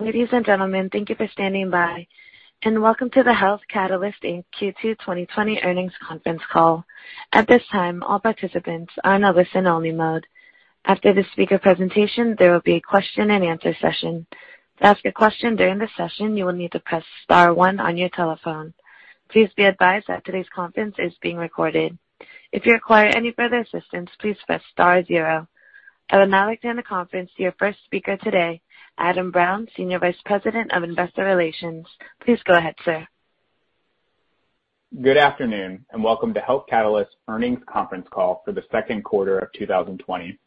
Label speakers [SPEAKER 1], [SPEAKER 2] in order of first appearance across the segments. [SPEAKER 1] Ladies and gentlemen, thank you for standing by, and welcome to the Health Catalyst, Inc Q2 2020 earnings conference call. I will now hand the conference to your first speaker today, Adam Brown, Senior Vice President of Investor Relations. Please go ahead, sir.
[SPEAKER 2] Good afternoon, and welcome to Health Catalyst's earnings conference call for the second quarter of 2020,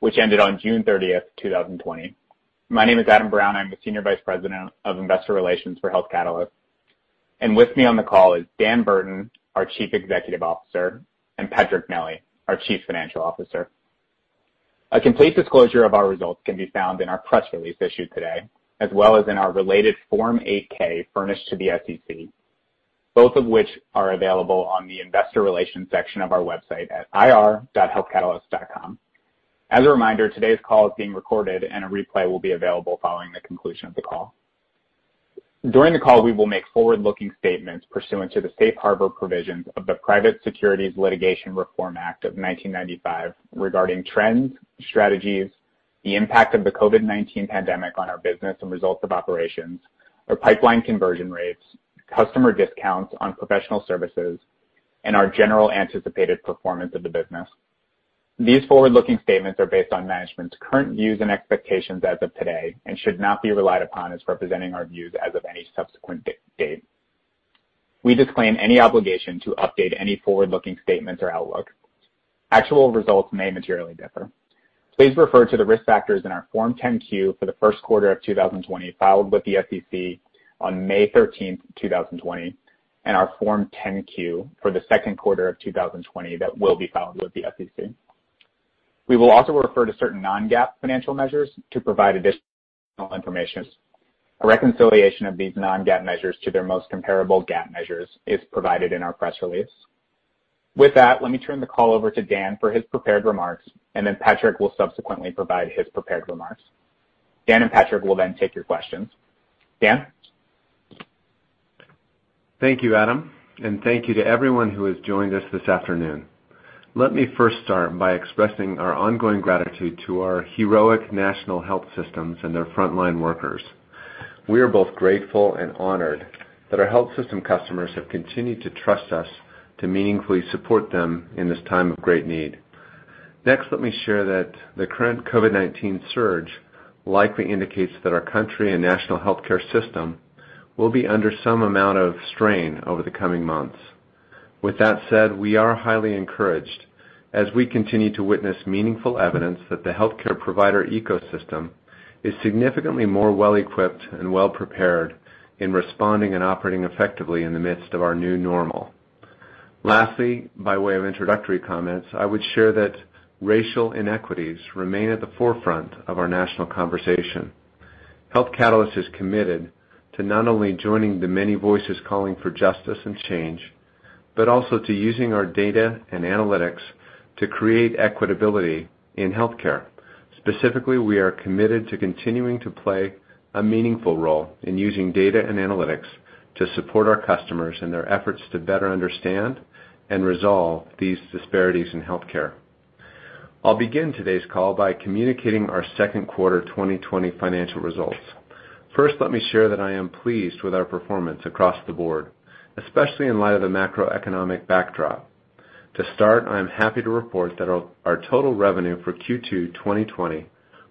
[SPEAKER 2] which ended on June 30th 2020. My name is Adam Brown. I'm the Senior Vice President of Investor Relations for Health Catalyst. With me on the call is Dan Burton, our Chief Executive Officer, and Patrick Nelli, our Chief Financial Officer. A complete disclosure of our results can be found in our press release issued today, as well as in our related Form 8-K furnished to the SEC, both of which are available on the investor relations section of our website at ir.healthcatalyst.com. As a reminder, today's call is being recorded, and a replay will be available following the conclusion of the call. During the call, we will make forward-looking statements pursuant to the Safe Harbor provisions of the Private Securities Litigation Reform Act of 1995 regarding trends, strategies, the impact of the COVID-19 pandemic on our business and results of operations, our pipeline conversion rates, customer discounts on professional services, and our general anticipated performance of the business. These forward-looking statements are based on management's current views and expectations as of today and should not be relied upon as representing our views as of any subsequent date. We disclaim any obligation to update any forward-looking statements or outlook. Actual results may materially differ. Please refer to the risk factors in our Form 10-Q for the first quarter of 2020, filed with the SEC on May 13, 2020, and our Form 10-Q for the second quarter of 2020 that will be filed with the SEC. We will also refer to certain non-GAAP financial measures to provide additional information. A reconciliation of these non-GAAP measures to their most comparable GAAP measures is provided in our press release. With that, let me turn the call over to Dan for his prepared remarks, and then Patrick will subsequently provide his prepared remarks. Dan and Patrick will then take your questions. Dan?
[SPEAKER 3] Thank you, Adam, and thank you to everyone who has joined us this afternoon. Let me first start by expressing our ongoing gratitude to our heroic national health systems and their frontline workers. We are both grateful and honored that our health system customers have continued to trust us to meaningfully support them in this time of great need. Next, let me share that the current COVID-19 surge likely indicates that our country and national healthcare system will be under some amount of strain over the coming months. With that said, we are highly encouraged as we continue to witness meaningful evidence that the healthcare provider ecosystem is significantly more well-equipped and well-prepared in responding and operating effectively in the midst of our new normal. Lastly, by way of introductory comments, I would share that racial inequities remain at the forefront of our national conversation. Health Catalyst is committed to not only joining the many voices calling for justice and change, but also to using our data and analytics to create equitability in healthcare. Specifically, we are committed to continuing to play a meaningful role in using data and analytics to support our customers in their efforts to better understand and resolve these disparities in healthcare. I'll begin today's call by communicating our second quarter 2020 financial results. Let me share that I am pleased with our performance across the board, especially in light of the macroeconomic backdrop. I am happy to report that our total revenue for Q2 2020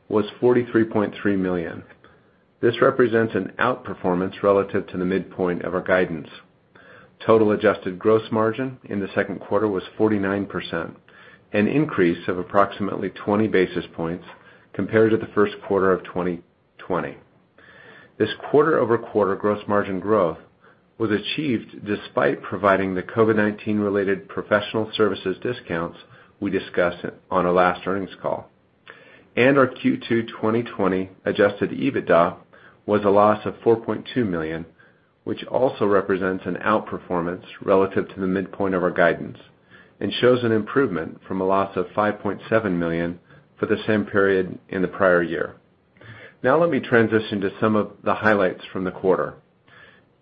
[SPEAKER 3] was $43.3 million. This represents an outperformance relative to the midpoint of our guidance. Total adjusted gross margin in the second quarter was 49%, an increase of approximately 20 basis points compared to the first quarter of 2020. This quarter-over-quarter gross margin growth was achieved despite providing the COVID-19 related professional services discounts we discussed on our last earnings call. Our Q2 2020 adjusted EBITDA was a loss of $4.2 million, which also represents an outperformance relative to the midpoint of our guidance and shows an improvement from a loss of $5.7 million for the same period in the prior year. Now let me transition to some of the highlights from the quarter.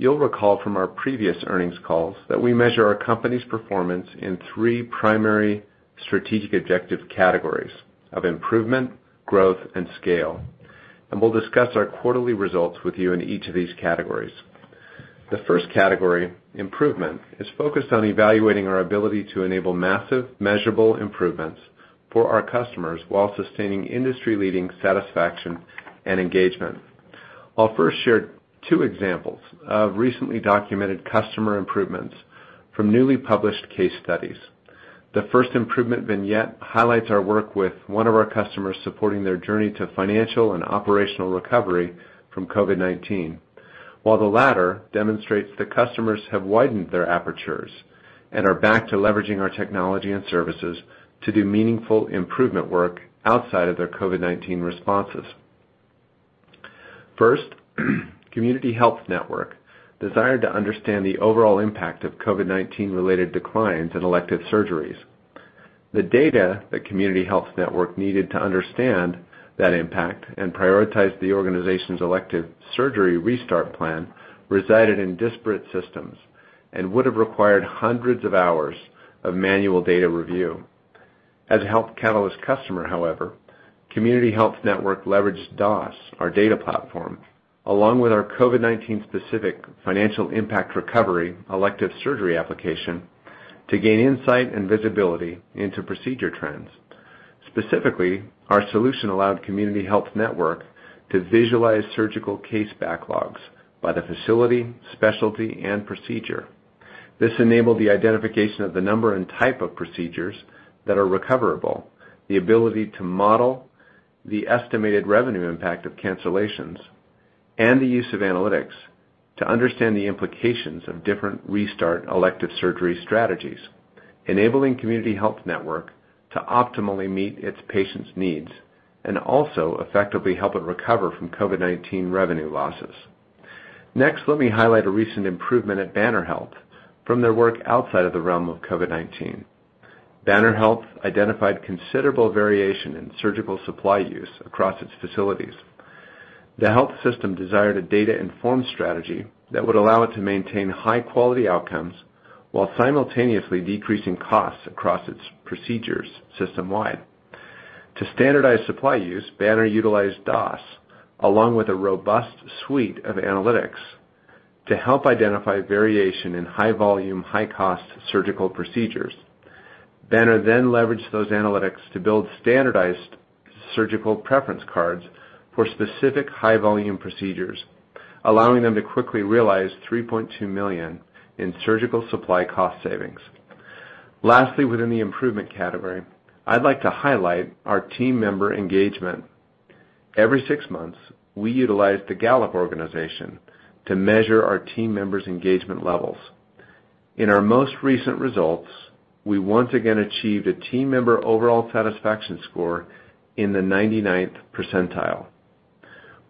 [SPEAKER 3] You'll recall from our previous earnings calls that we measure our company's performance in three primary strategic objective categories of improvement, growth, and scale. We'll discuss our quarterly results with you in each of these categories. The first category, improvement, is focused on evaluating our ability to enable massive measurable improvements for our customers while sustaining industry-leading satisfaction and engagement. I'll first share two examples of recently documented customer improvements from newly published case studies. The first improvement vignette highlights our work with one of our customers supporting their journey to financial and operational recovery from COVID-19, while the latter demonstrates that customers have widened their apertures and are back to leveraging our technology and services to do meaningful improvement work outside of their COVID-19 responses. First, Community Health Network desired to understand the overall impact of COVID-19 related declines in elective surgeries. The data that Community Health Network needed to understand that impact and prioritize the organization's elective surgery restart plan resided in disparate systems and would have required hundreds of hours of manual data review. As a Health Catalyst customer, however, Community Health Network leveraged DOS, our data platform, along with our COVID-19 specific financial impact recovery elective surgery application to gain insight and visibility into procedure trends. Specifically, our solution allowed Community Health Network to visualize surgical case backlogs by the facility, specialty, and procedure. This enabled the identification of the number and type of procedures that are recoverable, the ability to model the estimated revenue impact of cancellations, and the use of analytics to understand the implications of different restart elective surgery strategies, enabling Community Health Network to optimally meet its patients' needs and also effectively help it recover from COVID-19 revenue losses. Let me highlight a recent improvement at Banner Health from their work outside of the realm of COVID-19. Banner Health identified considerable variation in surgical supply use across its facilities. The health system desired a data-informed strategy that would allow it to maintain high-quality outcomes while simultaneously decreasing costs across its procedures system-wide. To standardize supply use, Banner utilized DOS, along with a robust suite of analytics to help identify variation in high-volume, high-cost surgical procedures. Banner leveraged those analytics to build standardized surgical preference cards for specific high-volume procedures, allowing them to quickly realize $3.2 million in surgical supply cost savings. Lastly, within the improvement category, I'd like to highlight our team member engagement. Every six months, we utilize the Gallup organization to measure our team members' engagement levels. In our most recent results, we once again achieved a team member overall satisfaction score in the 99th percentile.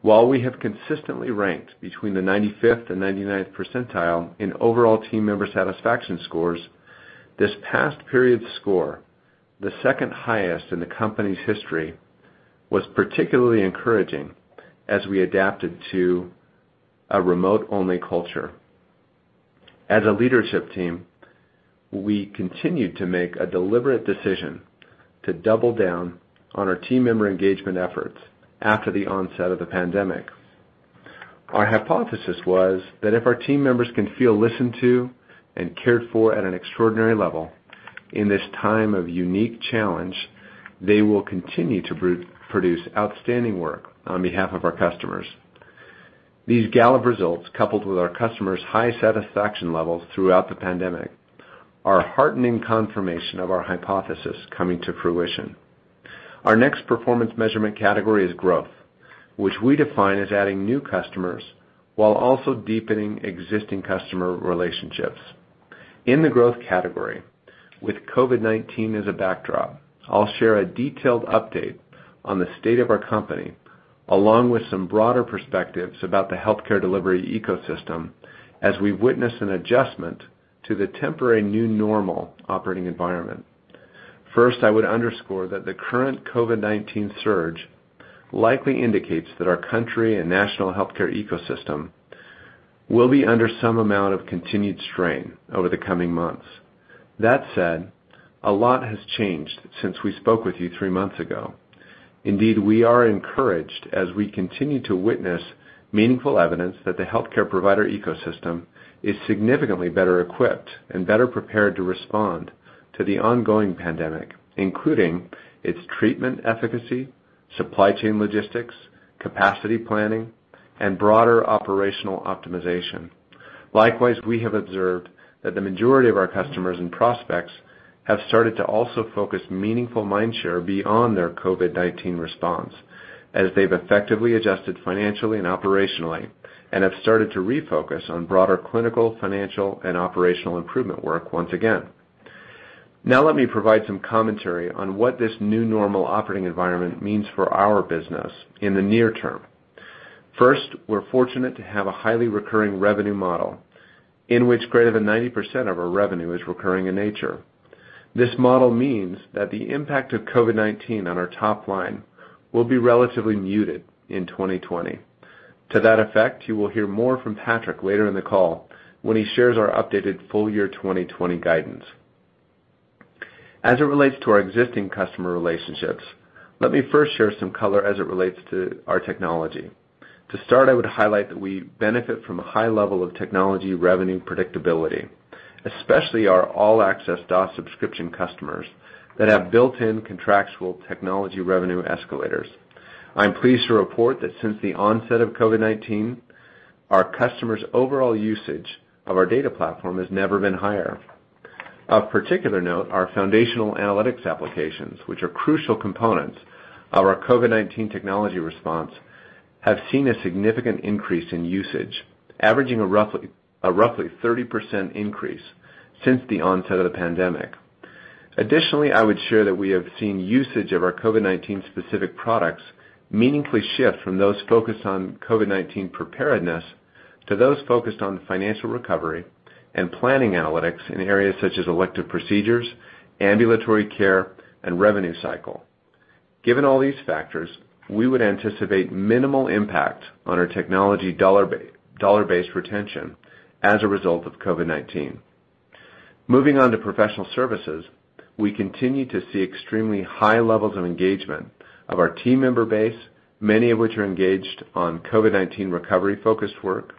[SPEAKER 3] While we have consistently ranked between the 95th and 99th percentile in overall team member satisfaction scores, this past period's score, the second highest in the company's history, was particularly encouraging as we adapted to a remote-only culture. As a leadership team, we continued to make a deliberate decision to double down on our team member engagement efforts after the onset of the pandemic. Our hypothesis was that if our team members can feel listened to and cared for at an extraordinary level in this time of unique challenge, they will continue to produce outstanding work on behalf of our customers. These Gallup results, coupled with our customers' high satisfaction levels throughout the pandemic, are a heartening confirmation of our hypothesis coming to fruition. Our next performance measurement category is growth, which we define as adding new customers while also deepening existing customer relationships. In the growth category, with COVID-19 as a backdrop, I'll share a detailed update on the state of our company, along with some broader perspectives about the healthcare delivery ecosystem as we witness an adjustment to the temporary new normal operating environment. First, I would underscore that the current COVID-19 surge likely indicates that our country and national healthcare ecosystem will be under some amount of continued strain over the coming months. That said, a lot has changed since we spoke with you three months ago. Indeed, we are encouraged as we continue to witness meaningful evidence that the healthcare provider ecosystem is significantly better equipped and better prepared to respond to the ongoing pandemic, including its treatment efficacy, supply chain logistics, capacity planning, and broader operational optimization. Likewise, we have observed that the majority of our customers and prospects have started to also focus meaningful mind share beyond their COVID-19 response as they've effectively adjusted financially and operationally and have started to refocus on broader clinical, financial, and operational improvement work once again. Now, let me provide some commentary on what this new normal operating environment means for our business in the near term. First, we're fortunate to have a highly recurring revenue model in which greater than 90% of our revenue is recurring in nature. This model means that the impact of COVID-19 on our top line will be relatively muted in 2020. To that effect, you will hear more from Patrick later in the call when he shares our updated full year 2020 guidance. As it relates to our existing customer relationships, let me first share some color as it relates to our technology. To start, I would highlight that we benefit from a high level of technology revenue predictability, especially our all-access DOS subscription customers that have built-in contractual technology revenue escalators. I'm pleased to report that since the onset of COVID-19, our customers' overall usage of our data platform has never been higher. Of particular note, our foundational analytics applications, which are crucial components of our COVID-19 technology response, have seen a significant increase in usage, averaging a roughly 30% increase since the onset of the pandemic. I would share that we have seen usage of our COVID-19 specific products meaningfully shift from those focused on COVID-19 preparedness to those focused on financial recovery and planning analytics in areas such as elective procedures, ambulatory care, and revenue cycle. Given all these factors, we would anticipate minimal impact on our technology dollar-based retention as a result of COVID-19. Moving on to professional services, we continue to see extremely high levels of engagement of our team member base, many of which are engaged on COVID-19 recovery-focused work,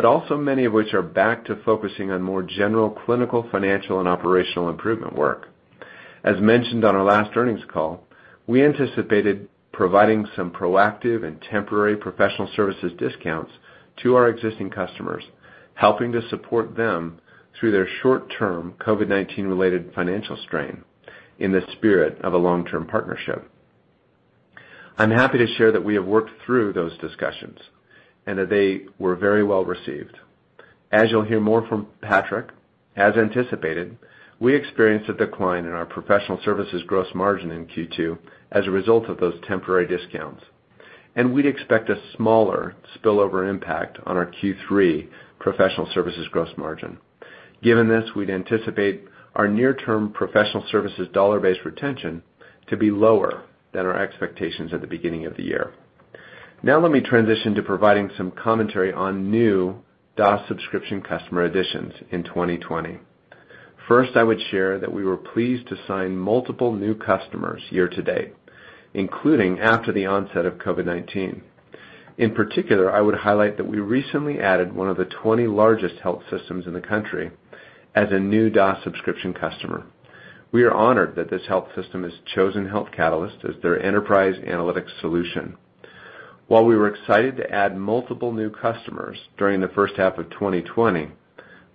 [SPEAKER 3] but also many of which are back to focusing on more general clinical, financial, and operational improvement work. As mentioned on our last earnings call, we anticipated providing some proactive and temporary professional services discounts to our existing customers, helping to support them through their short-term COVID-19-related financial strain in the spirit of a long-term partnership. I'm happy to share that we have worked through those discussions and that they were very well-received. As you'll hear more from Patrick, as anticipated, we experienced a decline in our professional services gross margin in Q2 as a result of those temporary discounts, and we'd expect a smaller spillover impact on our Q3 professional services gross margin. Given this, we'd anticipate our near-term professional services dollar-based retention to be lower than our expectations at the beginning of the year. Now let me transition to providing some commentary on new DOS subscription customer additions in 2020. First, I would share that we were pleased to sign multiple new customers year to date, including after the onset of COVID-19. In particular, I would highlight that we recently added one of the 20 largest health systems in the country as a new DOS subscription customer. We are honored that this health system has chosen Health Catalyst as their enterprise analytics solution. While we were excited to add multiple new customers during the first half of 2020,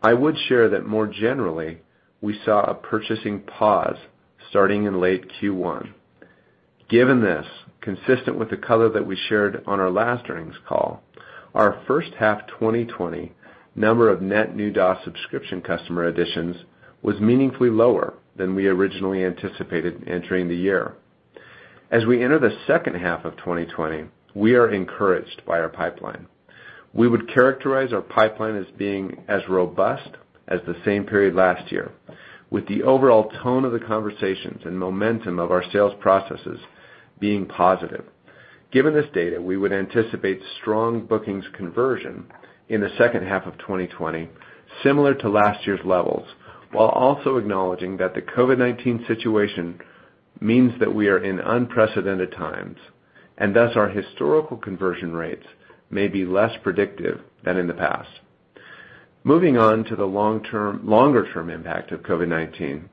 [SPEAKER 3] I would share that more generally, we saw a purchasing pause starting in late Q1. Given this, consistent with the color that we shared on our last earnings call, our first half 2020 number of net new DOS subscription customer additions was meaningfully lower than we originally anticipated entering the year. As we enter the second half of 2020, we are encouraged by our pipeline. We would characterize our pipeline as being as robust as the same period last year, with the overall tone of the conversations and momentum of our sales processes being positive. Given this data, we would anticipate strong bookings conversion in the second half of 2020, similar to last year's levels, while also acknowledging that the COVID-19 situation means that we are in unprecedented times, and thus, our historical conversion rates may be less predictive than in the past. Moving on to the longer-term impact of COVID-19,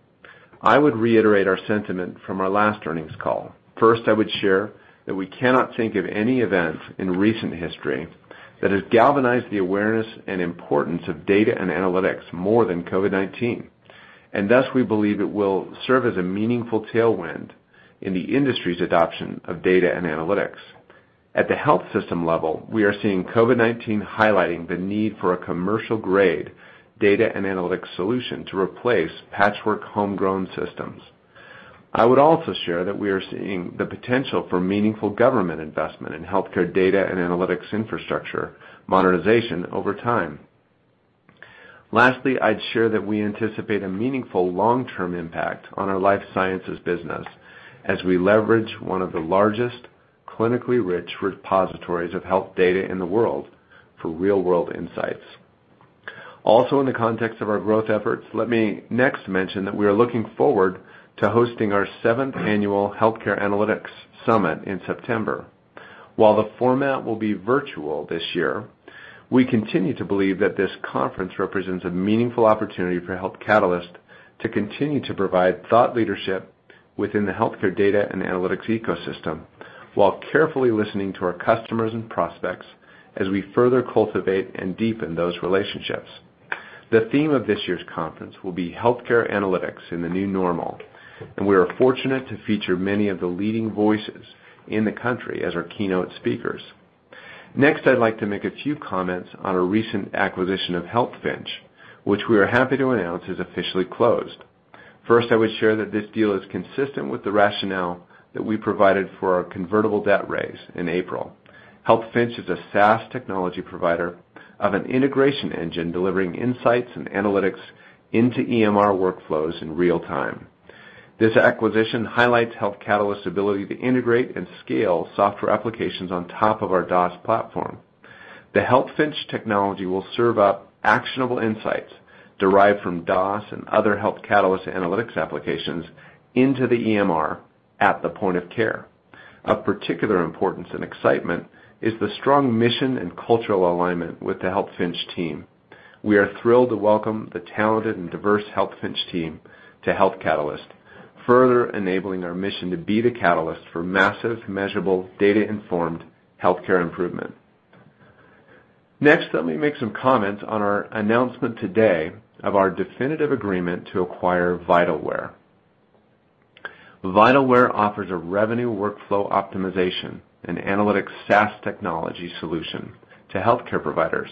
[SPEAKER 3] I would reiterate our sentiment from our last earnings call. First, I would share that we cannot think of any event in recent history that has galvanized the awareness and importance of data and analytics more than COVID-19, and thus, we believe it will serve as a meaningful tailwind in the industry's adoption of data and analytics. At the health system level, we are seeing COVID-19 highlighting the need for a commercial-grade data and analytics solution to replace patchwork homegrown systems. I would also share that we are seeing the potential for meaningful government investment in healthcare data and analytics infrastructure modernization over time. Lastly, I'd share that we anticipate a meaningful long-term impact on our life sciences business as we leverage one of the largest clinically rich repositories of health data in the world for real-world insights. In the context of our growth efforts, let me next mention that we are looking forward to hosting our seventh annual Healthcare Analytics Summit in September. While the format will be virtual this year, we continue to believe that this conference represents a meaningful opportunity for Health Catalyst to continue to provide thought leadership within the healthcare data and analytics ecosystem while carefully listening to our customers and prospects as we further cultivate and deepen those relationships. The theme of this year's conference will be healthcare analytics in the new normal, and we are fortunate to feature many of the leading voices in the country as our keynote speakers. Next, I'd like to make a few comments on our recent acquisition of healthfinch, which we are happy to announce is officially closed. First, I would share that this deal is consistent with the rationale that we provided for our convertible debt raise in April. healthfinch is a SaaS technology provider of an integration engine delivering insights and analytics into EMR workflows in real time. This acquisition highlights Health Catalyst's ability to integrate and scale software applications on top of our DOS platform. The healthfinch technology will serve up actionable insights derived from DOS and other Health Catalyst analytics applications into the EMR at the point of care. Of particular importance and excitement is the strong mission and cultural alignment with the healthfinch team. We are thrilled to welcome the talented and diverse healthfinch team to Health Catalyst, further enabling our mission to be the catalyst for massive, measurable, data-informed healthcare improvement. Next, let me make some comments on our announcement today of our definitive agreement to acquire Vitalware. Vitalware offers a revenue workflow optimization and analytics SaaS technology solution to healthcare providers.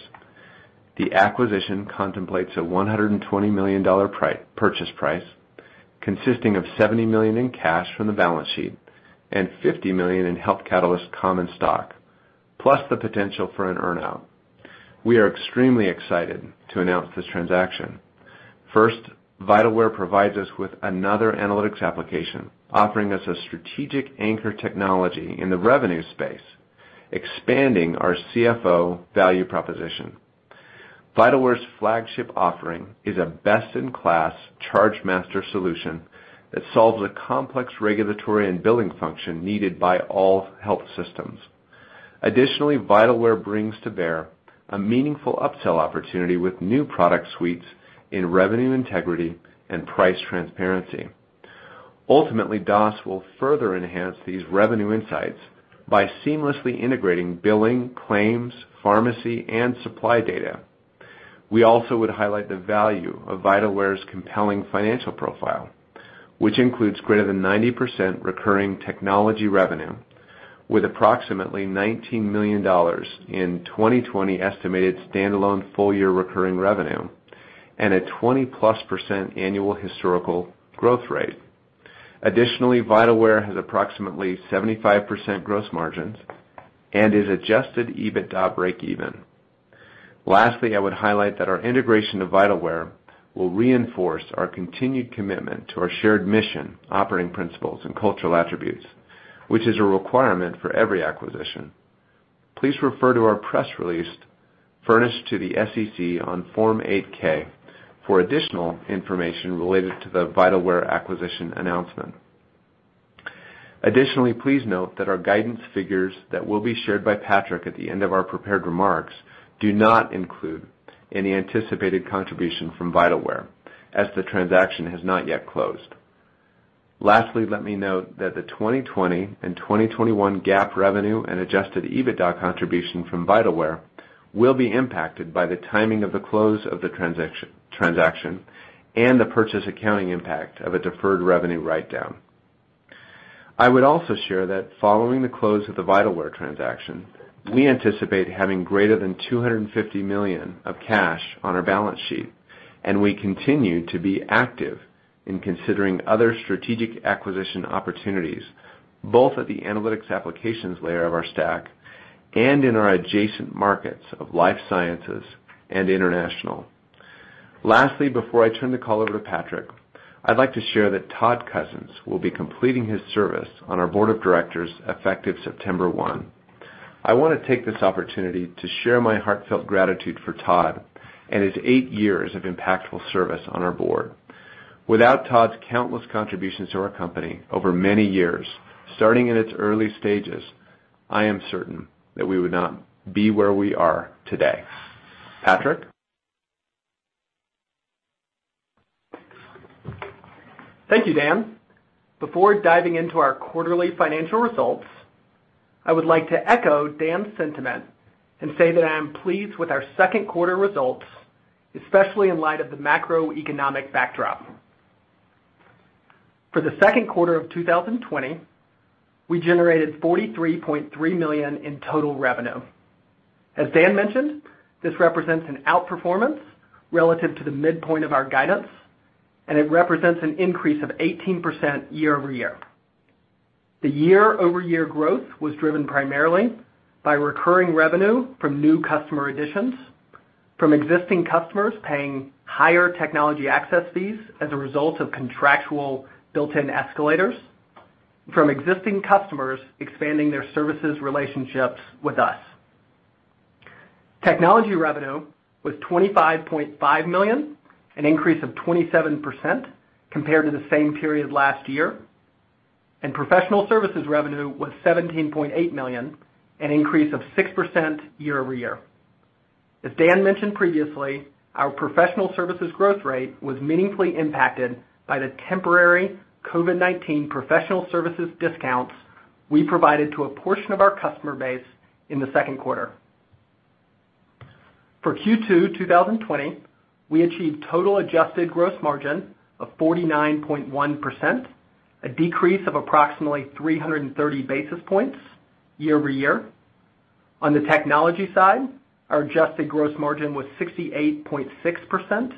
[SPEAKER 3] The acquisition contemplates a $120 million purchase price, consisting of $70 million in cash from the balance sheet and $50 million in Health Catalyst common stock, plus the potential for an earn-out. We are extremely excited to announce this transaction. First, Vitalware provides us with another analytics application, offering us a strategic anchor technology in the revenue space, expanding our CFO value proposition. Vitalware's flagship offering is a best-in-class chargemaster solution that solves a complex regulatory and billing function needed by all health systems. Additionally, Vitalware brings to bear a meaningful upsell opportunity with new product suites in revenue integrity and price transparency. Ultimately, DOS will further enhance these revenue insights by seamlessly integrating billing, claims, pharmacy, and supply data. We also would highlight the value of Vitalware's compelling financial profile, which includes greater than 90% recurring technology revenue, with approximately $19 million in 2020 estimated standalone full-year recurring revenue, and a 20+% annual historical growth rate. Additionally, Vitalware has approximately 75% gross margins and is adjusted EBITDA break even. Lastly, I would highlight that our integration of Vitalware will reinforce our continued commitment to our shared mission, operating principles, and cultural attributes, which is a requirement for every acquisition. Please refer to our press release furnished to the SEC on Form 8-K for additional information related to the Vitalware acquisition announcement. Additionally, please note that our guidance figures that will be shared by Patrick at the end of our prepared remarks do not include any anticipated contribution from Vitalware, as the transaction has not yet closed. Lastly, let me note that the 2020 and 2021 GAAP revenue and adjusted EBITDA contribution from Vitalware will be impacted by the timing of the close of the transaction and the purchase accounting impact of a deferred revenue writedown. I would also share that following the close of the Vitalware transaction, we anticipate having greater than $250 million of cash on our balance sheet, and we continue to be active in considering other strategic acquisition opportunities, both at the analytics applications layer of our stack and in our adjacent markets of life sciences and international. Lastly, before I turn the call over to Patrick, I'd like to share that Todd Cozzens will be completing his service on our board of directors effective September 1. I want to take this opportunity to share my heartfelt gratitude for Todd and his eight years of impactful service on our board. Without Todd's countless contributions to our company over many years, starting in its early stages, I am certain that we would not be where we are today. Patrick?
[SPEAKER 4] Thank you, Dan. Before diving into our quarterly financial results, I would like to echo Dan's sentiment and say that I am pleased with our second quarter results, especially in light of the macroeconomic backdrop. For the second quarter of 2020, we generated $43.3 million in total revenue. As Dan mentioned, this represents an outperformance relative to the midpoint of our guidance, and it represents an increase of 18% year-over-year. The year-over-year growth was driven primarily by recurring revenue from new customer additions, from existing customers paying higher technology access fees as a result of contractual built-in escalators, from existing customers expanding their services relationships with us. Technology revenue was $25.5 million, an increase of 27% compared to the same period last year, and professional services revenue was $17.8 million, an increase of 6% year-over-year. As Dan mentioned previously, our professional services growth rate was meaningfully impacted by the temporary COVID-19 professional services discounts we provided to a portion of our customer base in the second quarter. For Q2 2020, we achieved total adjusted gross margin of 49.1%, a decrease of approximately 330 basis points year-over-year. On the technology side, our adjusted gross margin was 68.6%,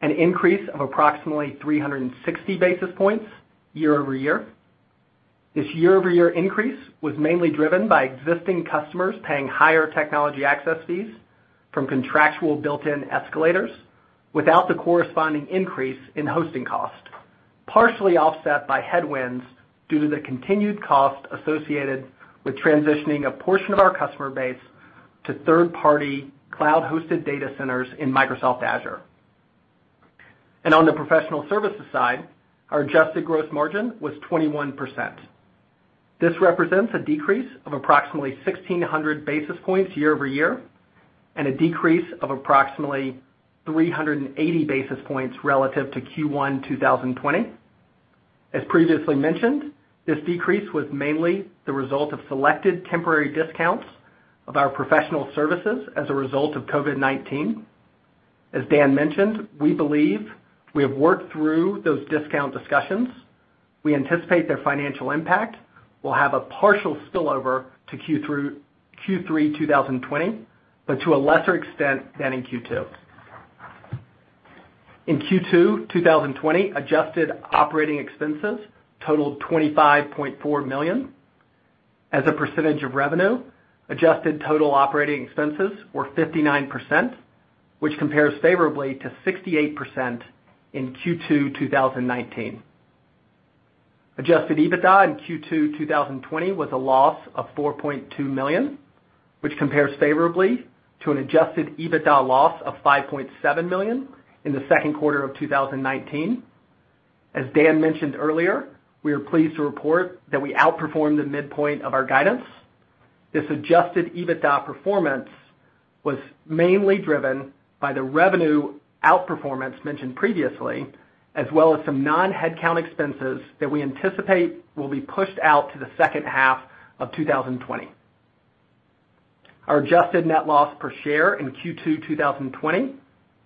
[SPEAKER 4] an increase of approximately 360 basis points year-over-year. This year-over-year increase was mainly driven by existing customers paying higher technology access fees from contractual built-in escalators without the corresponding increase in hosting cost, partially offset by headwinds due to the continued cost associated with transitioning a portion of our customer base to third-party cloud-hosted data centers in Microsoft Azure. On the professional services side, our adjusted gross margin was 21%. This represents a decrease of approximately 1,600 basis points year-over-year and a decrease of approximately 380 basis points relative to Q1 2020. As previously mentioned, this decrease was mainly the result of selected temporary discounts of our professional services as a result of COVID-19. As Dan mentioned, we believe we have worked through those discount discussions. We anticipate their financial impact will have a partial spillover to Q3 2020, but to a lesser extent than in Q2. In Q2 2020, adjusted operating expenses totaled $25.4 million. As a percentage of revenue, adjusted total operating expenses were 59%, which compares favorably to 68% in Q2 2019. Adjusted EBITDA in Q2 2020 was a loss of $4.2 million, which compares favorably to an adjusted EBITDA loss of $5.7 million in the second quarter of 2019. As Dan mentioned earlier, we are pleased to report that we outperformed the midpoint of our guidance. This adjusted EBITDA performance was mainly driven by the revenue outperformance mentioned previously, as well as some non-headcount expenses that we anticipate will be pushed out to the second half of 2020. Our adjusted net loss per share in Q2 2020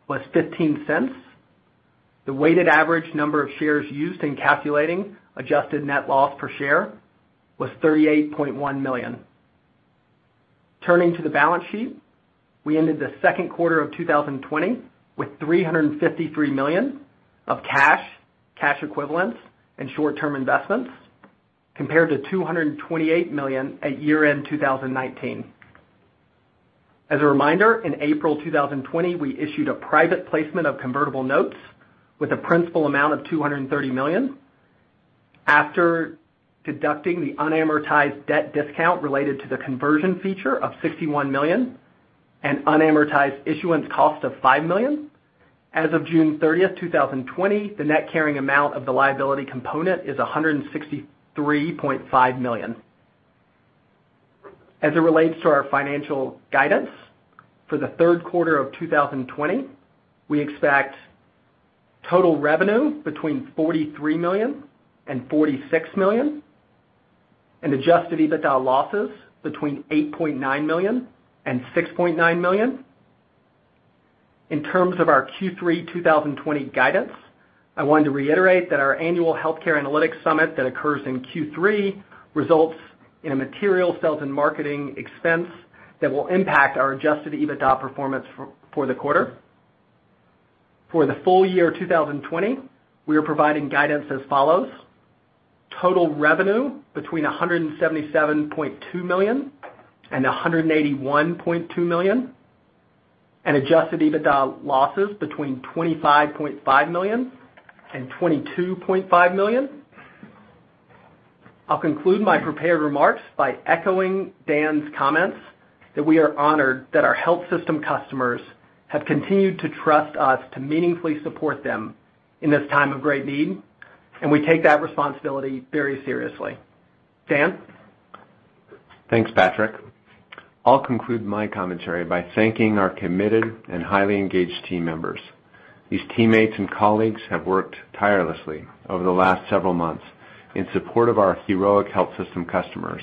[SPEAKER 4] was $0.15. The weighted average number of shares used in calculating adjusted net loss per share was 38.1 million. Turning to the balance sheet, we ended the second quarter of 2020 with $353 million of cash equivalents, and short-term investments compared to $228 million at year-end 2019. As a reminder, in April 2020, we issued a private placement of convertible notes with a principal amount of $230 million. After deducting the unamortized debt discount related to the conversion feature of $61 million and unamortized issuance cost of $5 million, as of June 30th, 2020, the net carrying amount of the liability component is $163.5 million. As it relates to our financial guidance for the third quarter of 2020, we expect total revenue between $43 million and $46 million and adjusted EBITDA losses between $8.9 million and $6.9 million. In terms of our Q3 2020 guidance, I wanted to reiterate that our annual Healthcare Analytics Summit that occurs in Q3 results in a material sales and marketing expense that will impact our adjusted EBITDA performance for the quarter. For the full year 2020, we are providing guidance as follows. Total revenue between $177.2 million and $181.2 million, and adjusted EBITDA losses between $25.5 million and $22.5 million. I'll conclude my prepared remarks by echoing Dan's comments that we are honored that our health system customers have continued to trust us to meaningfully support them in this time of great need, and we take that responsibility very seriously. Dan?
[SPEAKER 3] Thanks, Patrick. I'll conclude my commentary by thanking our committed and highly engaged team members. These teammates and colleagues have worked tirelessly over the last several months in support of our heroic health system customers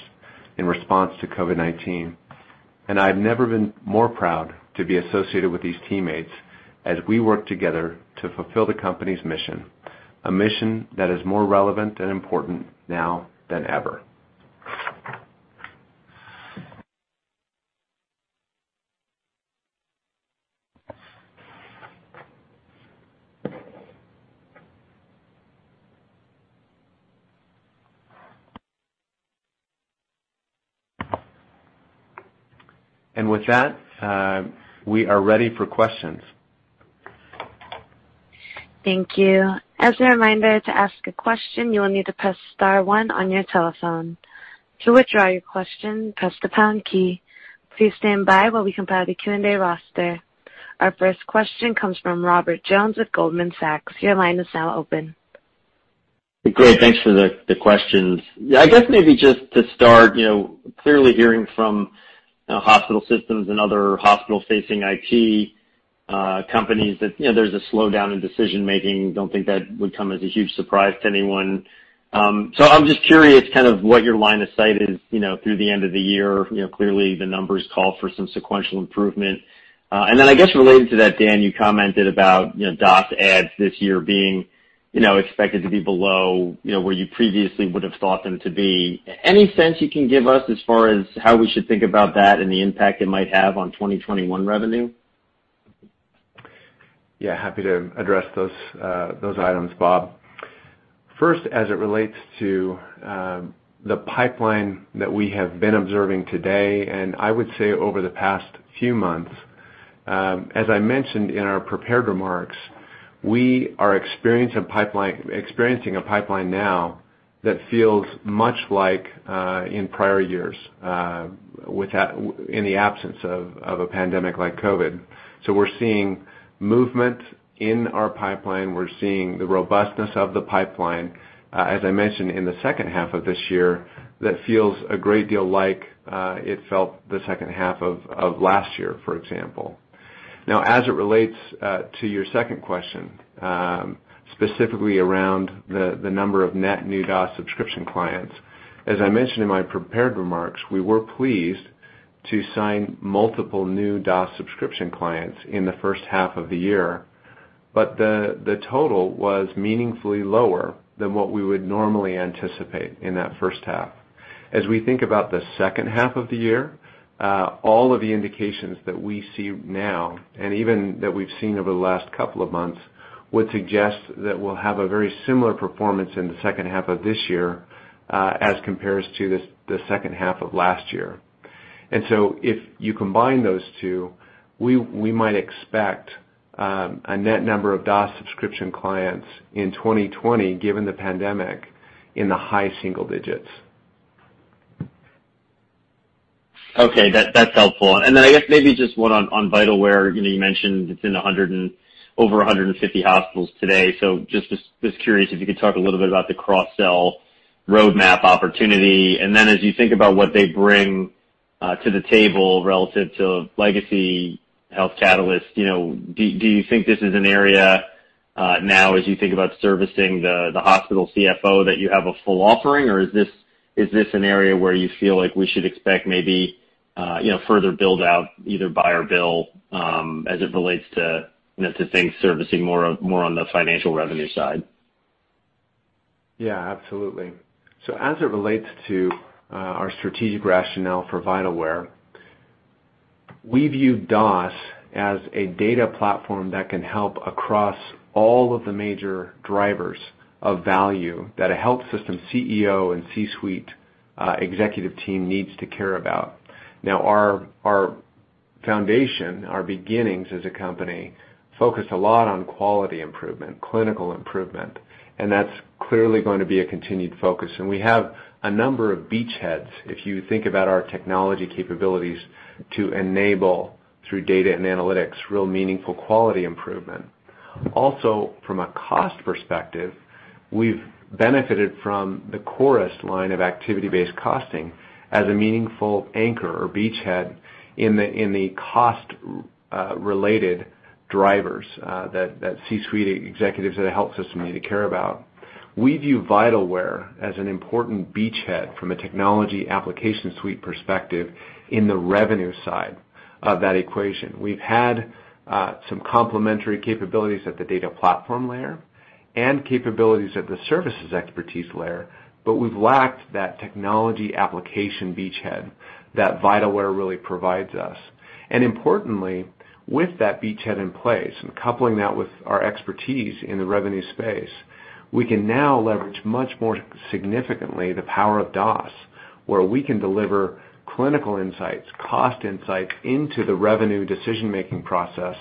[SPEAKER 3] in response to COVID-19. I've never been more proud to be associated with these teammates as we work together to fulfill the company's mission, a mission that is more relevant and important now than ever. With that, we are ready for questions.
[SPEAKER 1] Thank you. As a reminder, to ask a question, you will need to press star one on your telephone. To withdraw your question, press the hash key. Please stand by while we compile the Q&A roster. Our first question comes from Robert Jones with Goldman Sachs. Your line is now open.
[SPEAKER 5] Great, thanks for the questions. I guess maybe just to start, clearly hearing from hospital systems and other hospital-facing IT companies that there's a slowdown in decision-making, don't think that would come as a huge surprise to anyone. I'm just curious what your line of sight is through the end of the year. Clearly, the numbers call for some sequential improvement. I guess related to that, Dan, you commented about DOS adds this year being expected to be below where you previously would have thought them to be. Any sense you can give us as far as how we should think about that and the impact it might have on 2021 revenue?
[SPEAKER 3] Yeah, happy to address those items, Bob. First, as it relates to the pipeline that we have been observing today, and I would say over the past few months, as I mentioned in our prepared remarks, we are experiencing a pipeline now that feels much like in prior years in the absence of a pandemic like COVID. We're seeing movement in our pipeline. We're seeing the robustness of the pipeline. As I mentioned, in the second half of this year, that feels a great deal like it felt the second half of last year, for example. Now, as it relates to your second question specifically around the number of net new DOS subscription clients. As I mentioned in my prepared remarks, we were pleased to sign multiple new DOS subscription clients in the first half of the year. The total was meaningfully lower than what we would normally anticipate in that first half. As we think about the second half of the year, all of the indications that we see now, and even that we've seen over the last couple of months, would suggest that we'll have a very similar performance in the second half of this year, as compares to the second half of last year. If you combine those two, we might expect a net number of DOS subscription clients in 2020, given the pandemic, in the high single digits.
[SPEAKER 5] Okay. That's helpful. I guess maybe just one on Vitalware. You mentioned it's over 150 hospitals today. Just was curious if you could talk a little bit about the cross-sell roadmap opportunity, and then as you think about what they bring to the table relative to legacy Health Catalyst, do you think this is an area, now as you think about servicing the hospital CFO, that you have a full offering? Is this an area where you feel like we should expect maybe further build-out, either buy or build, as it relates to things servicing more on the financial revenue side?
[SPEAKER 3] Yeah, absolutely. As it relates to our strategic rationale for Vitalware, we view DOS as a data platform that can help across all of the major drivers of value that a health system CEO and C-suite executive team needs to care about. Now, our foundation, our beginnings as a company, focused a lot on quality improvement, clinical improvement, and that's clearly going to be a continued focus. We have a number of beachheads, if you think about our technology capabilities, to enable, through data and analytics, real meaningful quality improvement. Also, from a cost perspective, we've benefited from the PowerCosting line of activity-based costing as a meaningful anchor or beachhead in the cost-related drivers that C-suite executives at a health system need to care about. We view Vitalware as an important beachhead from a technology application suite perspective in the revenue side of that equation. We've had some complementary capabilities at the data platform layer and capabilities at the services expertise layer, but we've lacked that technology application beachhead that Vitalware really provides us. Importantly, with that beachhead in place and coupling that with our expertise in the revenue space, we can now leverage much more significantly the power of DOS, where we can deliver clinical insights, cost insights into the revenue decision-making process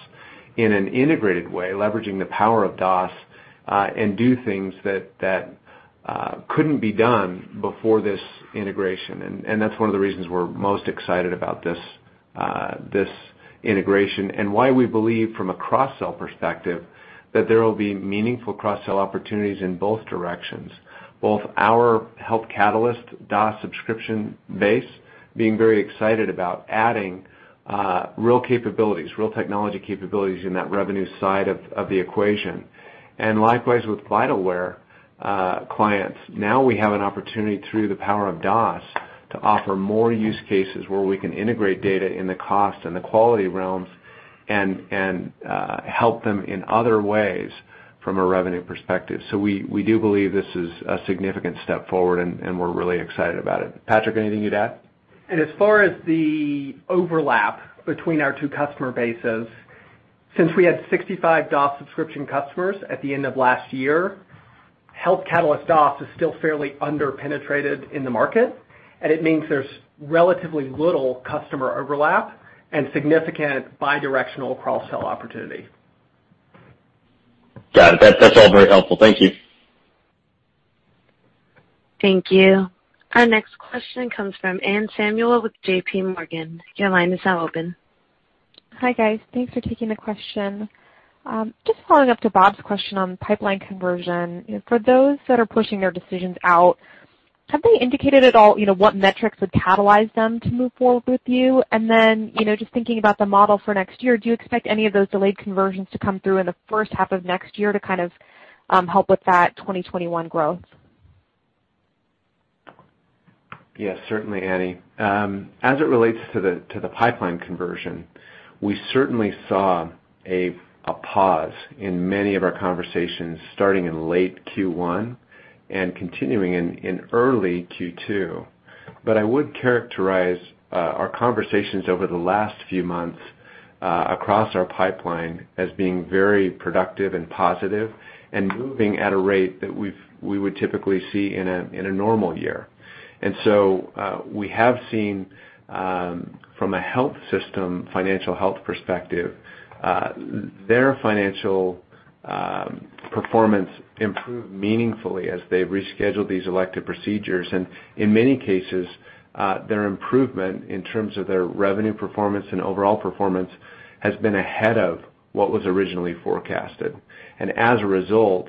[SPEAKER 3] in an integrated way, leveraging the power of DOS, and do things that couldn't be done before this integration. That's one of the reasons we're most excited about this integration and why we believe from a cross-sell perspective, that there will be meaningful cross-sell opportunities in both directions. Both our Health Catalyst DOS subscription base being very excited about adding real capabilities, real technology capabilities in that revenue side of the equation. Likewise with Vitalware clients. Now we have an opportunity through the power of DOS to offer more use cases where we can integrate data in the cost and the quality realms and help them in other ways from a revenue perspective. We do believe this is a significant step forward, and we're really excited about it. Patrick, anything you'd add?
[SPEAKER 4] As far as the overlap between our two customer bases, since we had 65 DOS subscription customers at the end of last year, Health Catalyst DOS is still fairly under-penetrated in the market, and it means there's relatively little customer overlap and significant bi-directional cross-sell opportunity.
[SPEAKER 5] Got it. That's all very helpful. Thank you.
[SPEAKER 1] Thank you. Our next question comes from Anne Samuel with JPMorgan. Your line is now open.
[SPEAKER 6] Hi, guys. Thanks for taking the question. Just following up to Bob's question on pipeline conversion. For those that are pushing their decisions out, have they indicated at all what metrics would catalyze them to move forward with you? just thinking about the model for next year, do you expect any of those delayed conversions to come through in the first half of next year to kind of help with that 2021 growth?
[SPEAKER 3] Yes, certainly, Anne. As it relates to the pipeline conversion, we certainly saw a pause in many of our conversations starting in late Q1 and continuing in early Q2. I would characterize our conversations over the last few months across our pipeline as being very productive and positive and moving at a rate that we would typically see in a normal year. We have seen, from a health system financial health perspective, their financial performance improve meaningfully as they've rescheduled these elective procedures. In many cases, their improvement in terms of their revenue performance and overall performance has been ahead of what was originally forecasted. As a result,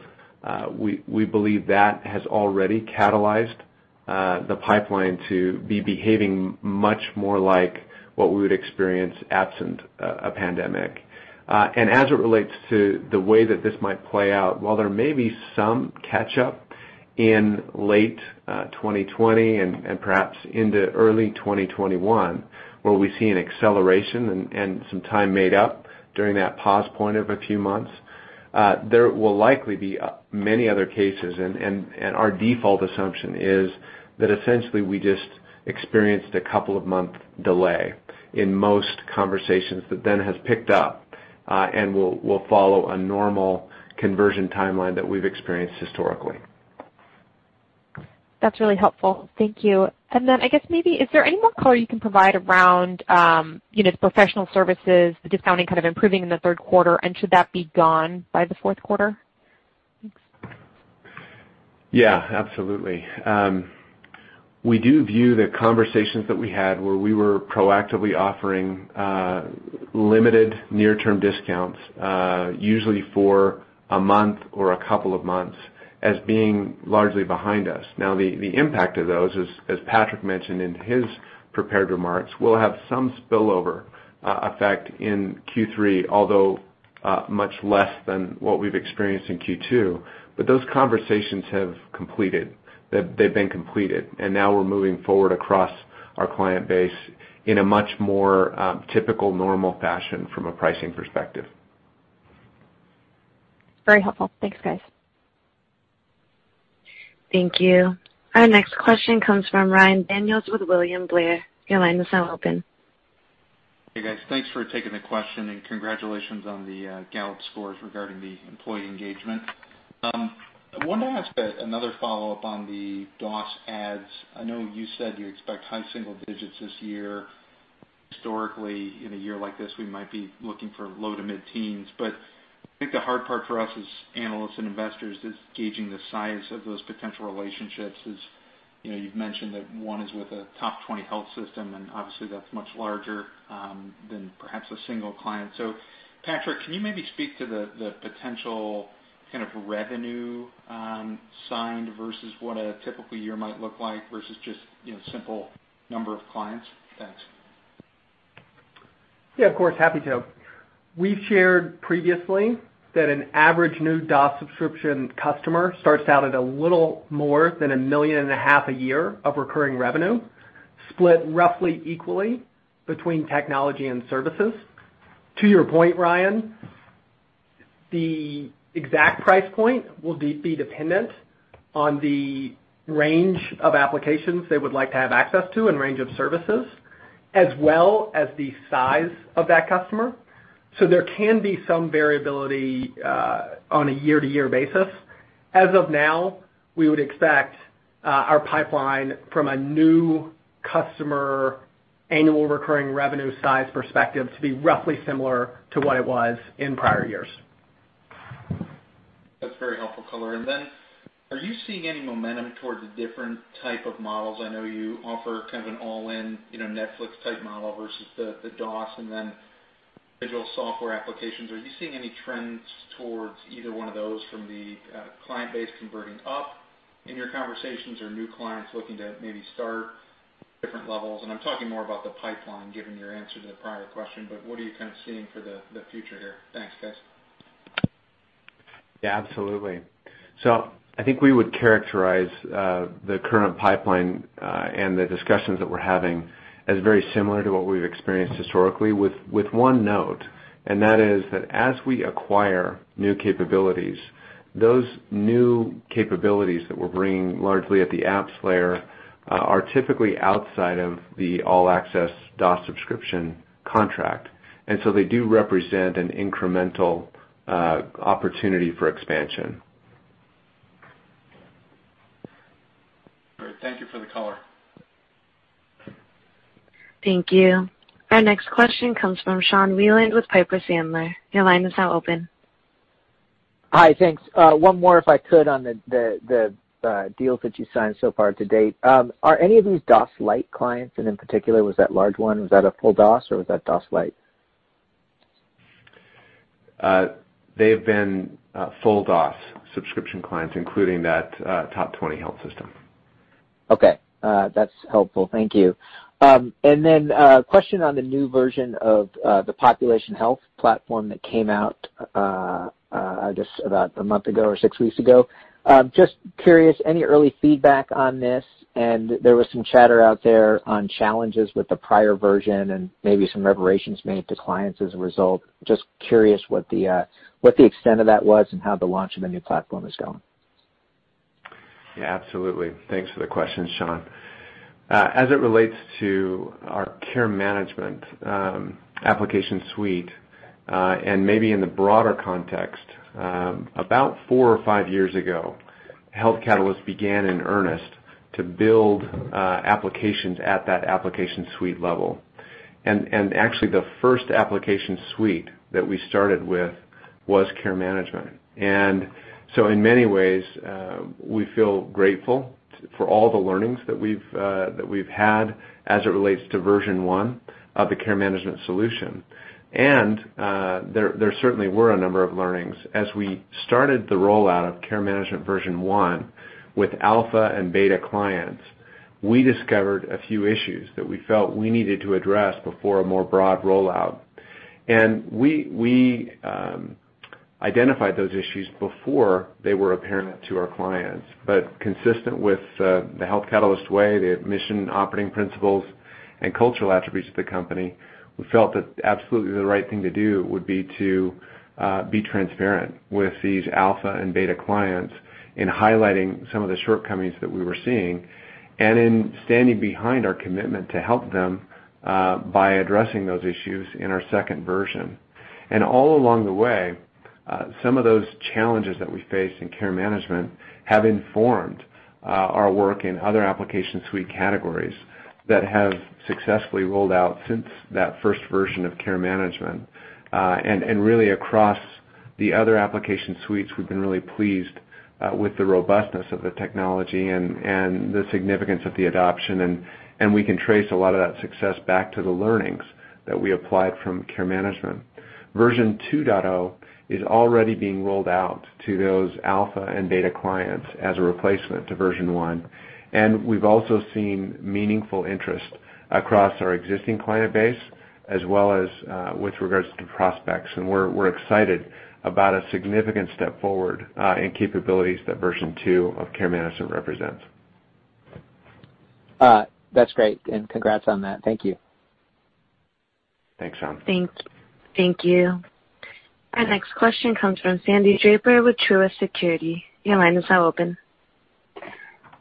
[SPEAKER 3] we believe that has already catalyzed the pipeline to be behaving much more like what we would experience absent a pandemic. As it relates to the way that this might play out, while there may be some catch-up in late 2020 and perhaps into early 2021, where we see an acceleration and some time made up during that pause point of a few months, there will likely be many other cases. Our default assumption is that essentially we just experienced a couple of months delay in most conversations that then has picked up, and will follow a normal conversion timeline that we've experienced historically.
[SPEAKER 6] That's really helpful. Thank you. I guess maybe, is there any more color you can provide around the professional services, the discounting kind of improving in the third quarter, and should that be gone by the fourth quarter?
[SPEAKER 3] Yeah, absolutely. We do view the conversations that we had, where we were proactively offering limited near-term discounts, usually for a month or a couple of months, as being largely behind us. Now, the impact of those, as Patrick mentioned in his prepared remarks, will have some spillover effect in Q3, although much less than what we've experienced in Q2. Those conversations have completed. They've been completed, and now we're moving forward across our client base in a much more typical, normal fashion from a pricing perspective.
[SPEAKER 6] Very helpful. Thanks, guys.
[SPEAKER 1] Thank you. Our next question comes from Ryan Daniels with William Blair. Your line is now open.
[SPEAKER 7] Hey, guys. Thanks for taking the question, and congratulations on the Gallup scores regarding the employee engagement. I wanted to ask another follow-up on the DOS adds. I know you said you expect high single digits this year. Historically, in a year like this, we might be looking for low to mid-teens. I think the hard part for us as analysts and investors is gauging the size of those potential relationships. As you've mentioned that one is with a top 20 health system, and obviously that's much larger than perhaps a single client. Patrick, can you maybe speak to the potential kind of revenue signed versus what a typical year might look like, versus just simple number of clients? Thanks.
[SPEAKER 4] Yeah, of course. Happy to. We shared previously that an average new DOS subscription customer starts out at a little more than a million and a half a year of recurring revenue, split roughly equally between technology and services. To your point, Ryan, the exact price point will be dependent on the range of applications they would like to have access to and range of services, as well as the size of that customer. There can be some variability on a year-to-year basis. As of now, we would expect our pipeline from a new customer annual recurring revenue size perspective to be roughly similar to what it was in prior years.
[SPEAKER 7] That's very helpful color. Are you seeing any momentum towards the different type of models? I know you offer kind of an all-in Netflix-type model versus the DOS and then individual software applications. Are you seeing any trends towards either one of those from the client base converting up in your conversations or new clients looking to maybe start different levels? I'm talking more about the pipeline, given your answer to the prior question, but what are you kind of seeing for the future here? Thanks, guys.
[SPEAKER 3] Yeah, absolutely. I think we would characterize the current pipeline, and the discussions that we're having as very similar to what we've experienced historically with one note, and that is that as we acquire new capabilities, those new capabilities that we're bringing largely at the apps layer, are typically outside of the all-access DOS subscription contract. They do represent an incremental opportunity for expansion.
[SPEAKER 7] Great. Thank you for the color.
[SPEAKER 1] Thank you. Our next question comes from Sean Wieland with Piper Sandler. Your line is now open.
[SPEAKER 8] Hi, thanks. One more, if I could, on the deals that you signed so far to date. Are any of these DOS Lite clients and in particular, was that large one, was that a full DOS or was that DOS Lite?
[SPEAKER 3] They've been full DOS subscription clients, including that top 20 health system.
[SPEAKER 8] Okay. That's helpful. Thank you. question on the new version of the population health platform that came out, just about a month ago or six weeks ago. Just curious, any early feedback on this? there was some chatter out there on challenges with the prior version and maybe some reparations made to clients as a result. Just curious what the extent of that was and how the launch of the new platform is going.
[SPEAKER 3] Yeah, absolutely. Thanks for the question, Sean. As it relates to our care management application suite, and maybe in the broader context, about four or five years ago, Health Catalyst began in earnest to build applications at that application suite level. Actually, the first application suite that we started with was care management. In many ways, we feel grateful for all the learnings that we've had as it relates to version one of the care management solution. There certainly were a number of learnings. As we started the rollout of care management version one with alpha and beta clients. We discovered a few issues that we felt we needed to address before a more broad rollout. We identified those issues before they were apparent to our clients. consistent with the Health Catalyst way, the mission, operating principles, and cultural attributes of the company, we felt that absolutely the right thing to do would be to be transparent with these alpha and beta clients in highlighting some of the shortcomings that we were seeing, and in standing behind our commitment to help them, by addressing those issues in our second version. all along the way, some of those challenges that we faced in care management have informed our work in other application suite categories that have successfully rolled out since that first version of care management. Really across the other application suites, we've been really pleased with the robustness of the technology and the significance of the adoption, and we can trace a lot of that success back to the learnings that we applied from care management. Version 2.0 is already being rolled out to those alpha and beta clients as a replacement to version one. We've also seen meaningful interest across our existing client base, as well as with regards to prospects. We're excited about a significant step forward, in capabilities that version two of care management represents.
[SPEAKER 8] That's great, and congrats on that. Thank you.
[SPEAKER 3] Thanks, Tom.
[SPEAKER 1] Thank you. Our next question comes from Sandy Draper with Truist Securities. Your line is now open.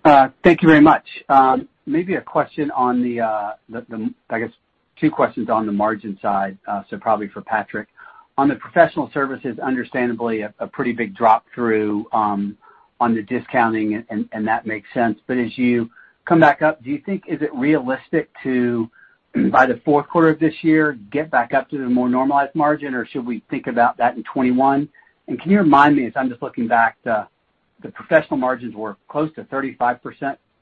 [SPEAKER 9] Thank you very much. Maybe, I guess, two questions on the margin side, so probably for Patrick. On the professional services, understandably, a pretty big drop through on the discounting and that makes sense. As you come back up, do you think is it realistic to, by the fourth quarter of this year, get back up to the more normalized margin, or should we think about that in 2021? Can you remind me, as I'm just looking back, the professional margins were close to 35%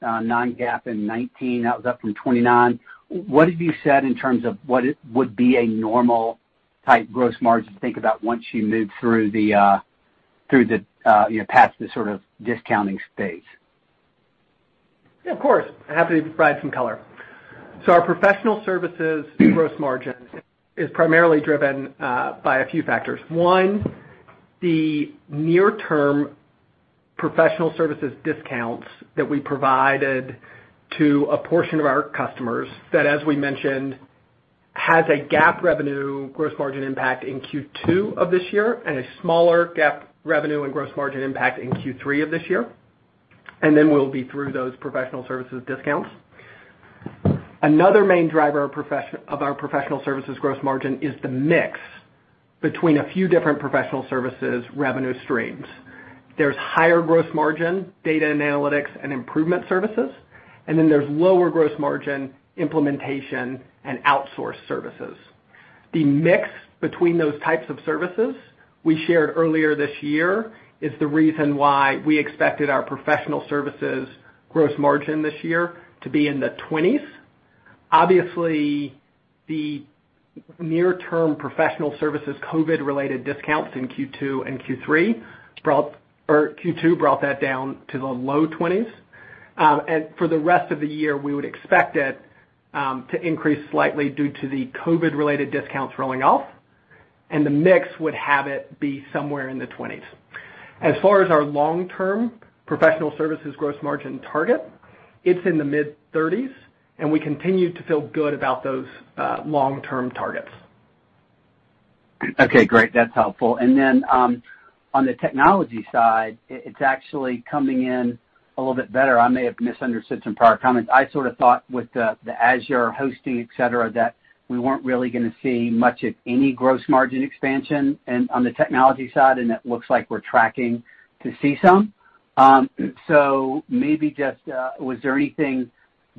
[SPEAKER 9] non-GAAP in 2019. That was up from 29%. What have you said in terms of what would be a normal type gross margin to think about once you move through the past the discounting stage?
[SPEAKER 4] Yeah, of course. I'm happy to provide some color. Our professional services gross margin is primarily driven by a few factors. One, the near-term professional services discounts that we provided to a portion of our customers that, as we mentioned, has a GAAP revenue gross margin impact in Q2 of this year, and a smaller GAAP revenue and gross margin impact in Q3 of this year. Then we'll be through those professional services discounts. Another main driver of our professional services gross margin is the mix between a few different professional services revenue streams. There's higher gross margin data analytics and improvement services, and then there's lower gross margin implementation and outsource services. The mix between those types of services we shared earlier this year is the reason why we expected our professional services gross margin this year to be in the 20s. Obviously, the near-term professional services COVID-related discounts in Q2 brought that down to the low 20s. For the rest of the year, we would expect it to increase slightly due to the COVID-related discounts rolling off, and the mix would have it be somewhere in the 20s. As far as our long-term professional services gross margin target, it's in the mid-30s, and we continue to feel good about those long-term targets.
[SPEAKER 9] Okay, great. That's helpful. On the technology side, it's actually coming in a little bit better. I may have misunderstood some prior comments. I sort of thought with the Azure hosting, et cetera, that we weren't really going to see much of any gross margin expansion on the technology side, and it looks like we're tracking to see some. Maybe just, was there anything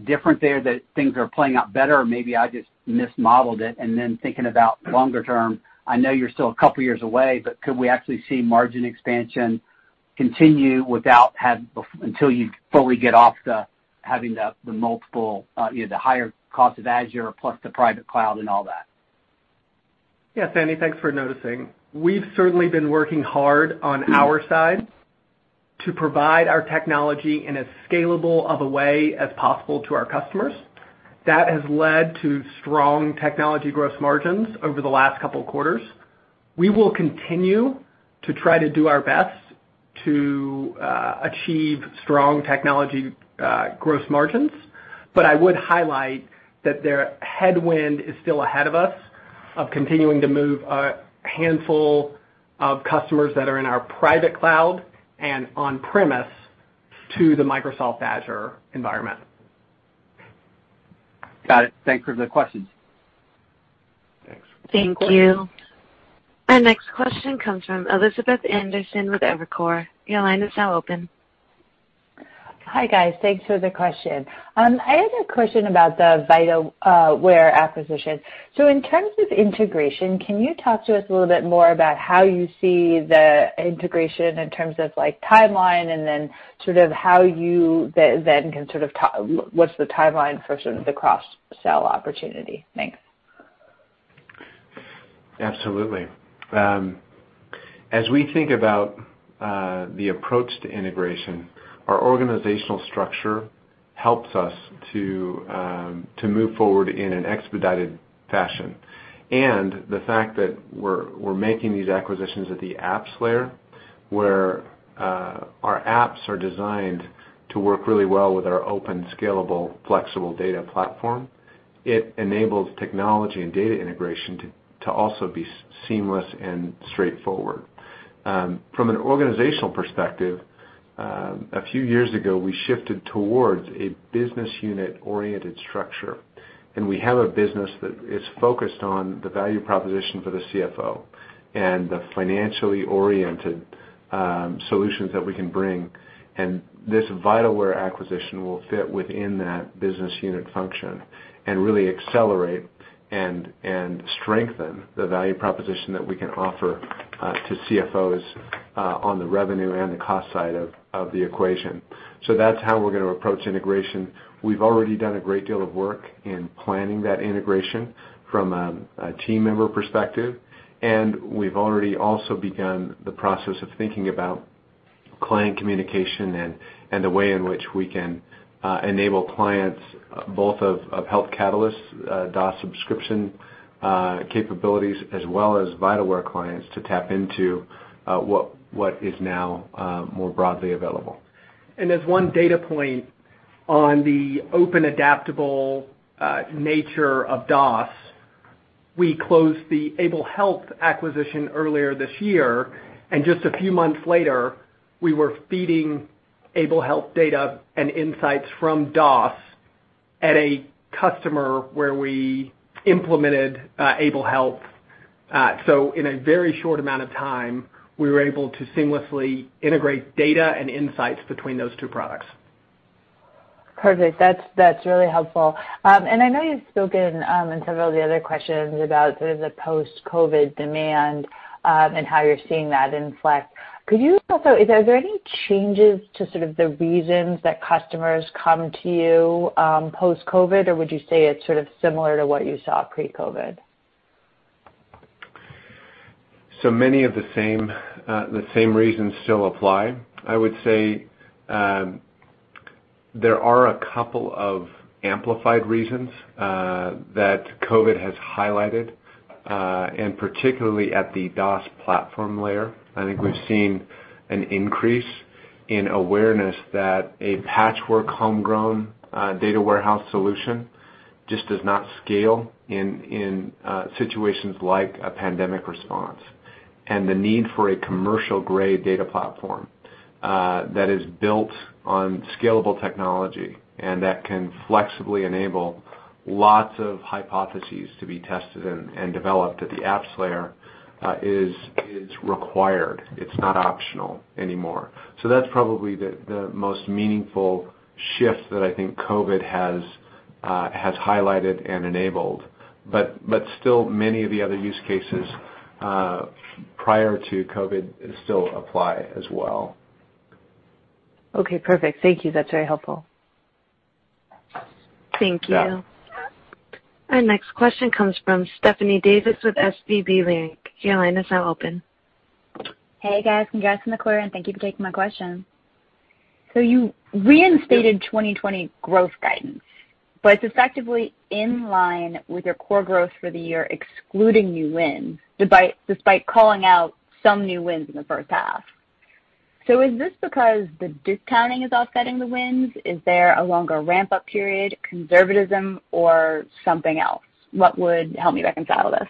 [SPEAKER 9] different there that things are playing out better? Maybe I just mismodeled it. Thinking about longer term, I know you're still a couple of years away, but could we actually see margin expansion continue until you fully get off having the higher cost of Azure plus the private cloud and all that?
[SPEAKER 3] Yeah, Sandy, thanks for noticing. We've certainly been working hard on our side to provide our technology in as scalable of a way as possible to our customers. That has led to strong technology gross margins over the last couple of quarters. We will continue to try to do our best to achieve strong technology gross margins. I would highlight that their headwind is still ahead of us of continuing to move a handful of customers that are in our private cloud and on-premise to the Microsoft Azure environment.
[SPEAKER 9] Got it. Thanks for the questions.
[SPEAKER 1] Thank you. Our next question comes from Elizabeth Anderson with Evercore. Your line is now open.
[SPEAKER 10] Hi, guys. Thanks for the question. I had a question about the Vitalware acquisition. In terms of integration, can you talk to us a little bit more about how you see the integration in terms of timeline and then what's the timeline for the cross-sell opportunity? Thanks.
[SPEAKER 3] Absolutely. As we think about the approach to integration, our organizational structure helps us to move forward in an expedited fashion. The fact that we're making these acquisitions at the apps layer, where our apps are designed to work really well with our open, scalable, flexible data platform, it enables technology and data integration to also be seamless and straightforward. From an organizational perspective, a few years ago, we shifted towards a business unit-oriented structure. We have a business that is focused on the value proposition for the CFO and the financially oriented solutions that we can bring. This Vitalware acquisition will fit within that business unit function and really accelerate and strengthen the value proposition that we can offer to CFOs on the revenue and the cost side of the equation. That's how we're going to approach integration. We've already done a great deal of work in planning that integration from a team member perspective. We've already also begun the process of thinking about client communication and the way in which we can enable clients, both of Health Catalyst DOS subscription capabilities, as well as Vitalware clients, to tap into what is now more broadly available.
[SPEAKER 4] As one data point on the open, adaptable nature of DOS, we closed the Able Health acquisition earlier this year, and just a few months later, we were feeding Able Health data and insights from DOS at a customer where we implemented Able Health. In a very short amount of time, we were able to seamlessly integrate data and insights between those two products.
[SPEAKER 10] Perfect. That's really helpful. I know you've spoken in several of the other questions about the post-COVID demand and how you're seeing that in Flex. Are there any changes to sort of the reasons that customers come to you post-COVID, or would you say it's sort of similar to what you saw pre-COVID?
[SPEAKER 3] Many of the same reasons still apply. I would say there are a couple of amplified reasons that COVID has highlighted, and particularly at the DOS platform layer. I think we've seen an increase in awareness that a patchwork, homegrown data warehouse solution just does not scale in situations like a pandemic response. The need for a commercial-grade data platform that is built on scalable technology and that can flexibly enable lots of hypotheses to be tested and developed at the apps layer is required. It's not optional anymore. That's probably the most meaningful shift that I think COVID has highlighted and enabled. Still, many of the other use cases prior to COVID still apply as well.
[SPEAKER 10] Okay, perfect. Thank you. That's very helpful.
[SPEAKER 1] Thank you. Our next question comes from Stephanie Davis with SVB Leerink. Your line is now open.
[SPEAKER 11] Hey, guys. Congratulations on the quarter. Thank you for taking my question. You reinstated 2020 growth guidance, but it's effectively in line with your core growth for the year, excluding new wins, despite calling out some new wins in the first half. Is this because the discounting is offsetting the wins? Is there a longer ramp-up period, conservatism, or something else? What would help me reconcile this?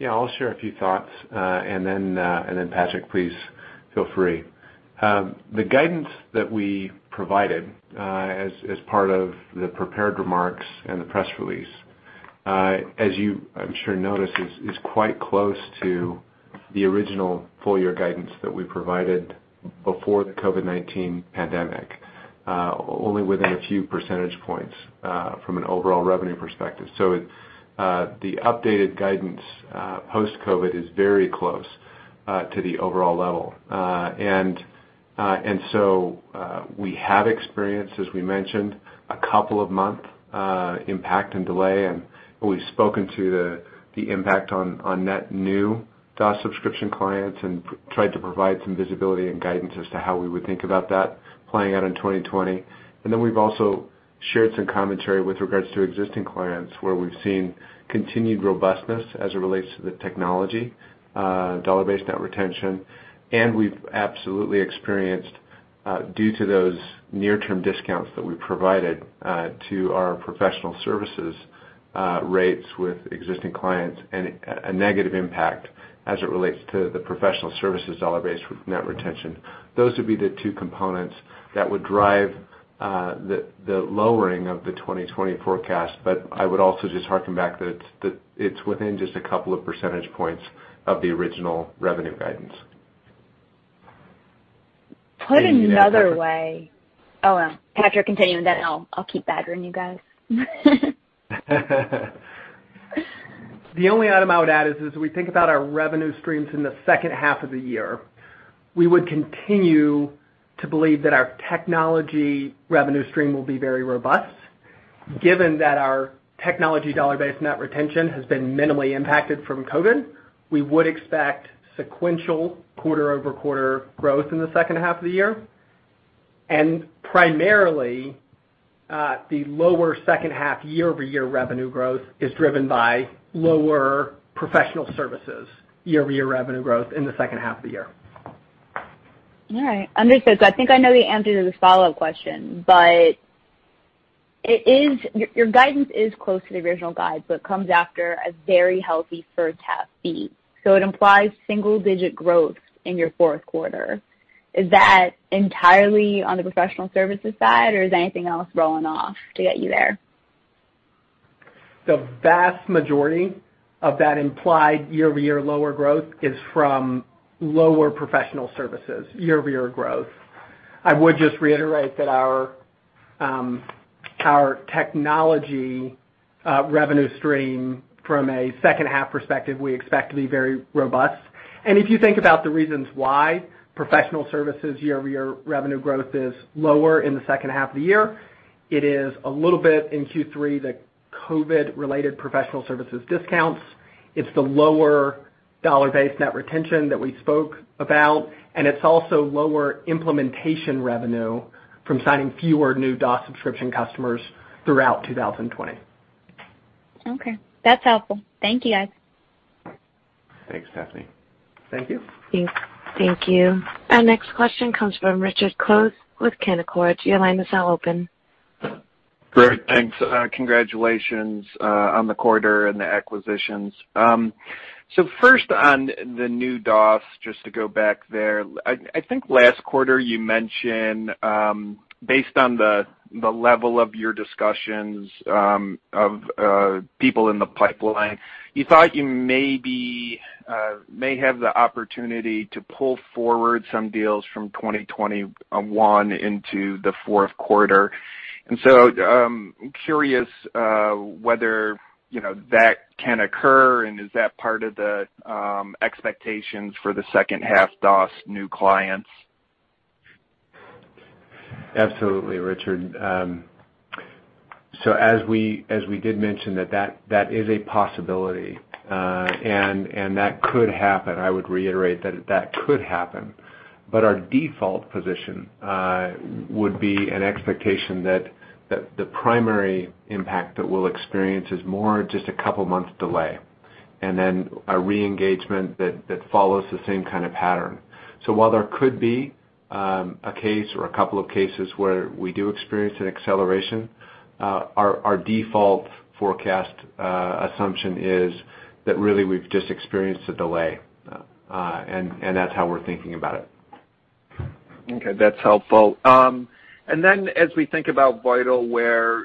[SPEAKER 3] Yeah, I'll share a few thoughts, and then, Patrick, please feel free. The guidance that we provided as part of the prepared remarks and the press release, as you I'm sure noticed, is quite close to the original full-year guidance that we provided before the COVID-19 pandemic, only within a few percentage points from an overall revenue perspective. The updated guidance post-COVID is very close to the overall level. We have experienced, as we mentioned, a couple of month impact and delay, and we've spoken to the impact on net new DOS subscription clients and tried to provide some visibility and guidance as to how we would think about that playing out in 2020. We've also shared some commentary with regards to existing clients, where we've seen continued robustness as it relates to the technology, dollar-based net retention, and we've absolutely experienced, due to those near-term discounts that we provided to our professional services rates with existing clients and a negative impact as it relates to the professional services dollar-based net retention. Those would be the two components that would drive the lowering of the 2020 forecast. I would also just harken back that it's within just a couple of percentage points of the original revenue guidance.
[SPEAKER 11] Oh, well, Patrick, continue, and then I'll keep badgering you guys.
[SPEAKER 4] The only item I would add is, as we think about our revenue streams in the second half of the year, we would continue to believe that our technology revenue stream will be very robust. Given that our technology dollar-based net retention has been minimally impacted from COVID, we would expect sequential quarter-over-quarter growth in the second half of the year. Primarily, the lower second half year-over-year revenue growth is driven by lower professional services year-over-year revenue growth in the second half of the year.
[SPEAKER 11] All right. Understood. I think I know the answer to this follow-up question, but your guidance is close to the original guide, but comes after a very healthy first half beat. It implies single-digit growth in your fourth quarter. Is that entirely on the professional services side, or is anything else rolling off to get you there?
[SPEAKER 4] The vast majority of that implied year-over-year lower growth is from lower professional services year-over-year growth. I would just reiterate that our technology revenue stream from a second half perspective, we expect to be very robust. If you think about the reasons why professional services year-over-year revenue growth is lower in the second half of the year, it is a little bit in Q3, the COVID-19 related professional services discounts. It's the lower dollar-based net retention that we spoke about, and it's also lower implementation revenue from signing fewer new DOS subscription customers throughout 2020.
[SPEAKER 11] Okay. That's helpful. Thank you, guys.
[SPEAKER 3] Thanks, Stephanie.
[SPEAKER 4] Thank you.
[SPEAKER 11] Thanks.
[SPEAKER 1] Thank you. Our next question comes from Richard Close with Canaccord. Your line is now open.
[SPEAKER 12] Great, thanks. Congratulations on the quarter and the acquisitions. First on the new DOS, just to go back there, I think last quarter you mentioned, based on the level of your discussions of people in the pipeline, you thought you may have the opportunity to pull forward some deals from 2021 into the fourth quarter. I'm curious whether that can occur, and is that part of the expectations for the second half DOS new clients?
[SPEAKER 3] Absolutely, Richard. As we did mention that is a possibility, and that could happen. I would reiterate that could happen. Our default position would be an expectation that the primary impact that we'll experience is more just a couple of months delay, and then a re-engagement that follows the same kind of pattern. While there could be a case or a couple of cases where we do experience an acceleration, our default forecast assumption is that really we've just experienced a delay. That's how we're thinking about it.
[SPEAKER 12] Okay. That's helpful. Then as we think about Vitalware,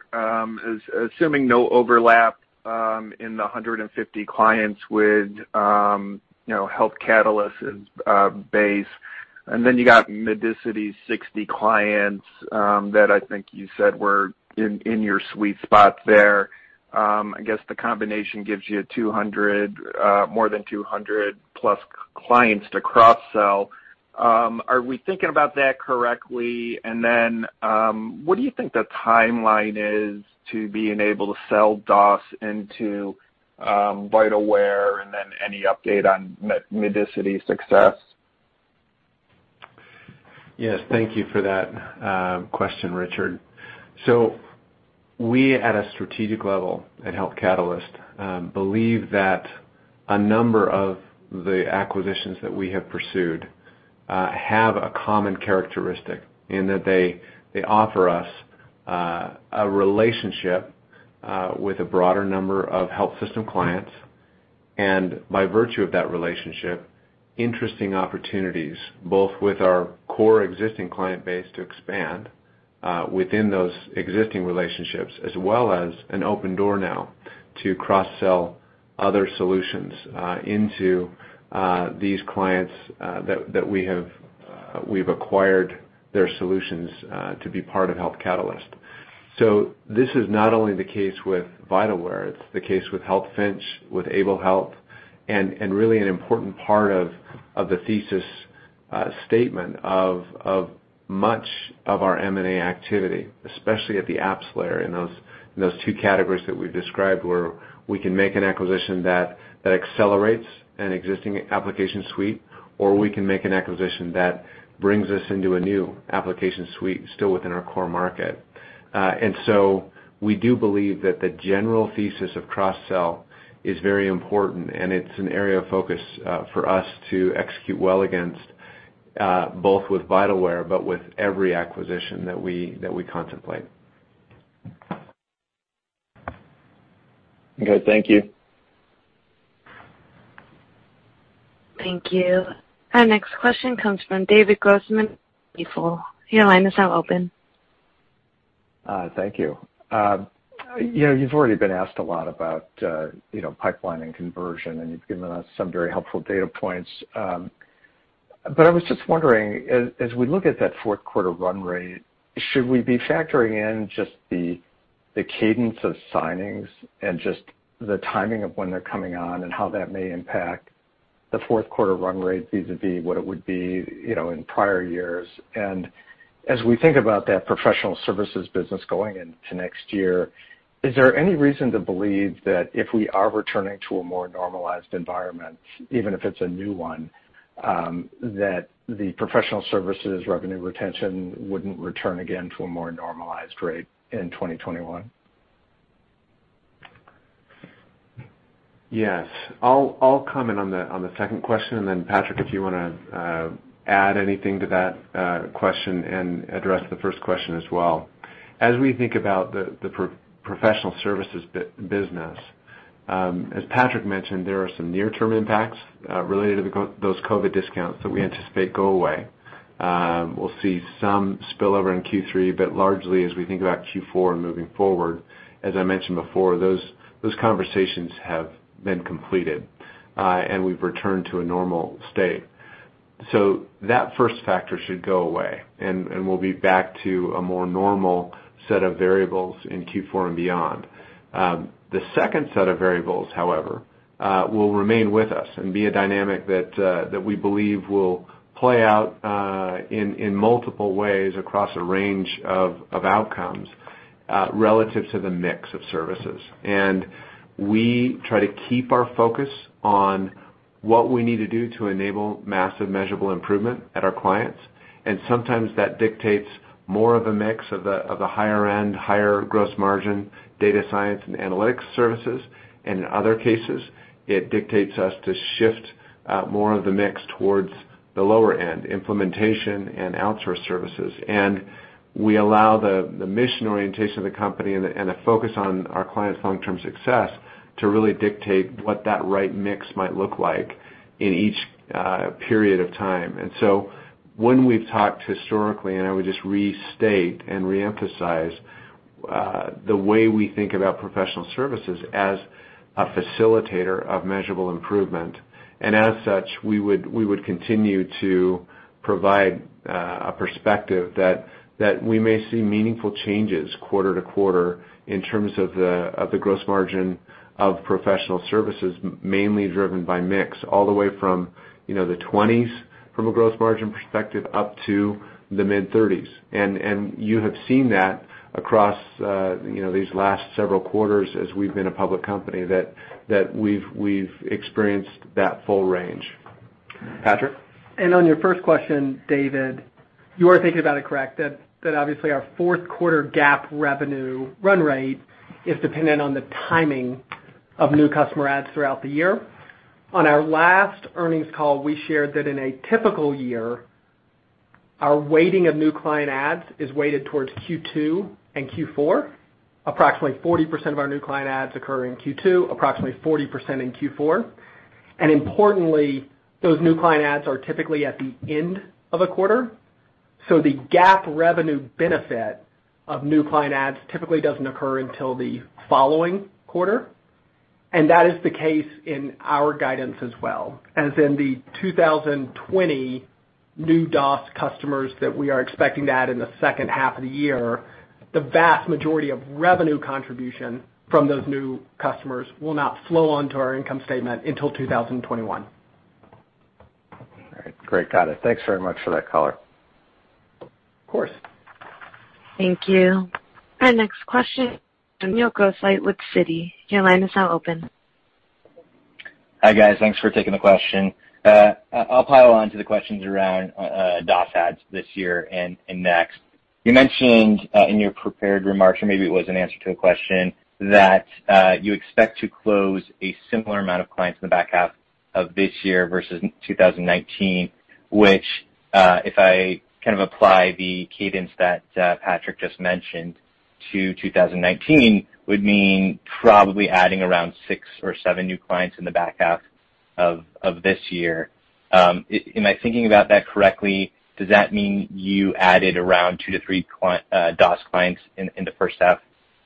[SPEAKER 12] assuming no overlap in the 150 clients with Health Catalyst's base, and then you got Medicity's 60 clients that I think you said were in your sweet spot there. I guess the combination gives you more than 200 plus clients to cross-sell. Are we thinking about that correctly? Then, what do you think the timeline is to being able to sell DOS into Vitalware, and then any update on Medicity's success?
[SPEAKER 3] Yes. Thank you for that question, Richard. We, at a strategic level at Health Catalyst, believe that a number of the acquisitions that we have pursued have a common characteristic in that they offer us a relationship with a broader number of health system clients. By virtue of that relationship, interesting opportunities, both with our core existing client base to expand within those existing relationships, as well as an open door now to cross-sell other solutions into these clients that we've acquired their solutions to be part of Health Catalyst. This is not only the case with Vitalware, it's the case with healthfinch, with Able Health, and really an important part of the thesis statement of much of our M&A activity, especially at the apps layer in those two categories that we've described where we can make an acquisition that accelerates an existing application suite, or we can make an acquisition that brings us into a new application suite still within our core market. We do believe that the general thesis of cross-sell is very important, and it's an area of focus for us to execute well against, both with Vitalware, but with every acquisition that we contemplate.
[SPEAKER 12] Okay. Thank you.
[SPEAKER 1] Thank you. Our next question comes from David Grossman, Stifel. Your line is now open.
[SPEAKER 13] Thank you. You've already been asked a lot about pipeline and conversion, and you've given us some very helpful data points. I was just wondering, as we look at that fourth quarter run rate, should we be factoring in just the cadence of signings and just the timing of when they're coming on and how that may impact the fourth quarter run rate vis-a-vis what it would be in prior years? As we think about that professional services business going into next year, is there any reason to believe that if we are returning to a more normalized environment, even if it's a new one, that the professional services revenue retention wouldn't return again to a more normalized rate in 2021?
[SPEAKER 3] Yes. I'll comment on the second question, and then Patrick, if you want to add anything to that question and address the first question as well. As we think about the professional services business, as Patrick mentioned, there are some near-term impacts related to those COVID discounts that we anticipate go away. We'll see some spillover in Q3. Largely as we think about Q4 and moving forward, as I mentioned before, those conversations have been completed, and we've returned to a normal state. That first factor should go away, and we'll be back to a more normal set of variables in Q4 and beyond. The second set of variables, however, will remain with us and be a dynamic that we believe will play out in multiple ways across a range of outcomes relative to the mix of services. We try to keep our focus on what we need to do to enable massive measurable improvement at our clients. Sometimes that dictates more of a mix of the higher end, higher gross margin data science and analytics services. In other cases, it dictates us to shift more of the mix towards the lower end, implementation and outsource services. We allow the mission orientation of the company and the focus on our clients' long-term success to really dictate what that right mix might look like in each period of time. When we've talked historically, and I would just restate and re-emphasize, the way we think about professional services as a facilitator of measurable improvement, as such, we would continue to provide a perspective that we may see meaningful changes quarter-to-quarter in terms of the gross margin of professional services, mainly driven by mix, all the way from the 20s from a gross margin perspective up to the mid-30s. You have seen that across these last several quarters as we've been a public company, that we've experienced that full range. Patrick?
[SPEAKER 4] On your first question, David, you are thinking about it correct, that obviously our fourth quarter GAAP revenue run rate is dependent on the timing of new customer adds throughout the year. On our last earnings call, we shared that in a typical year, our weighting of new client adds is weighted towards Q2 and Q4. Approximately 40% of our new client adds occur in Q2, approximately 40% in Q4. Importantly, those new client adds are typically at the end of a quarter. The GAAP revenue benefit of new client adds typically doesn't occur until the following quarter. That is the case in our guidance as well, as in the 2020 new DOS customers that we are expecting to add in the second half of the year, the vast majority of revenue contribution from those new customers will not flow onto our income statement until 2021.
[SPEAKER 13] All right. Great. Got it. Thanks very much for that color.
[SPEAKER 4] Of course.
[SPEAKER 1] Thank you. Our next question, Daniel Grosslight with Citi. Your line is now open.
[SPEAKER 14] Hi, guys. Thanks for taking the question. I'll pile on to the questions around DOS adds this year and next. You mentioned in your prepared remarks, or maybe it was an answer to a question, that you expect to close a similar amount of clients in the back half of this year versus 2019, which, if I apply the cadence that Patrick just mentioned to 2019, would mean probably adding around six or seven new clients in the back half of this year. Am I thinking about that correctly? Does that mean you added around two to three DOS clients in the first half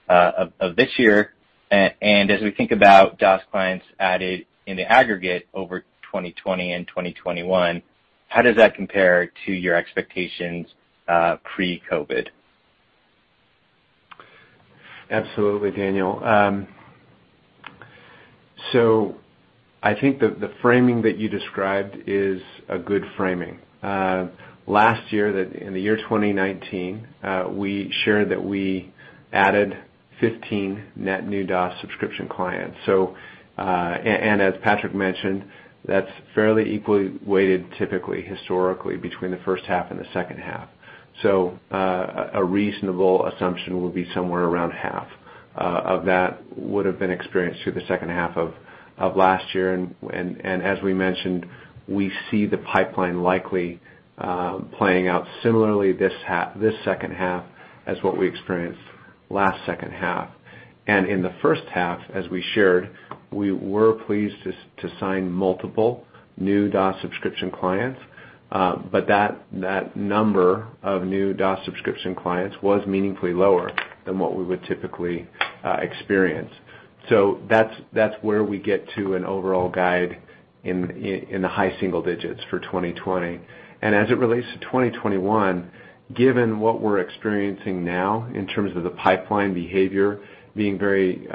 [SPEAKER 14] of this year? As we think about DOS clients added in the aggregate over 2020 and 2021, how does that compare to your expectations pre-COVID?
[SPEAKER 3] Absolutely, Daniel. I think the framing that you described is a good framing. Last year, in the year 2019, we shared that we added 15 net new DOS subscription clients. As Patrick mentioned, that's fairly equally weighted typically historically between the first half and the second half. A reasonable assumption will be somewhere around half of that would've been experienced through the second half of last year. As we mentioned, we see the pipeline likely playing out similarly this second half as what we experienced last second half. In the first half, as we shared, we were pleased to sign multiple new DOS subscription clients. That number of new DOS subscription clients was meaningfully lower than what we would typically experience. That's where we get to an overall guide in the high single digits for 2020. As it relates to 2021, given what we're experiencing now in terms of the pipeline behavior being very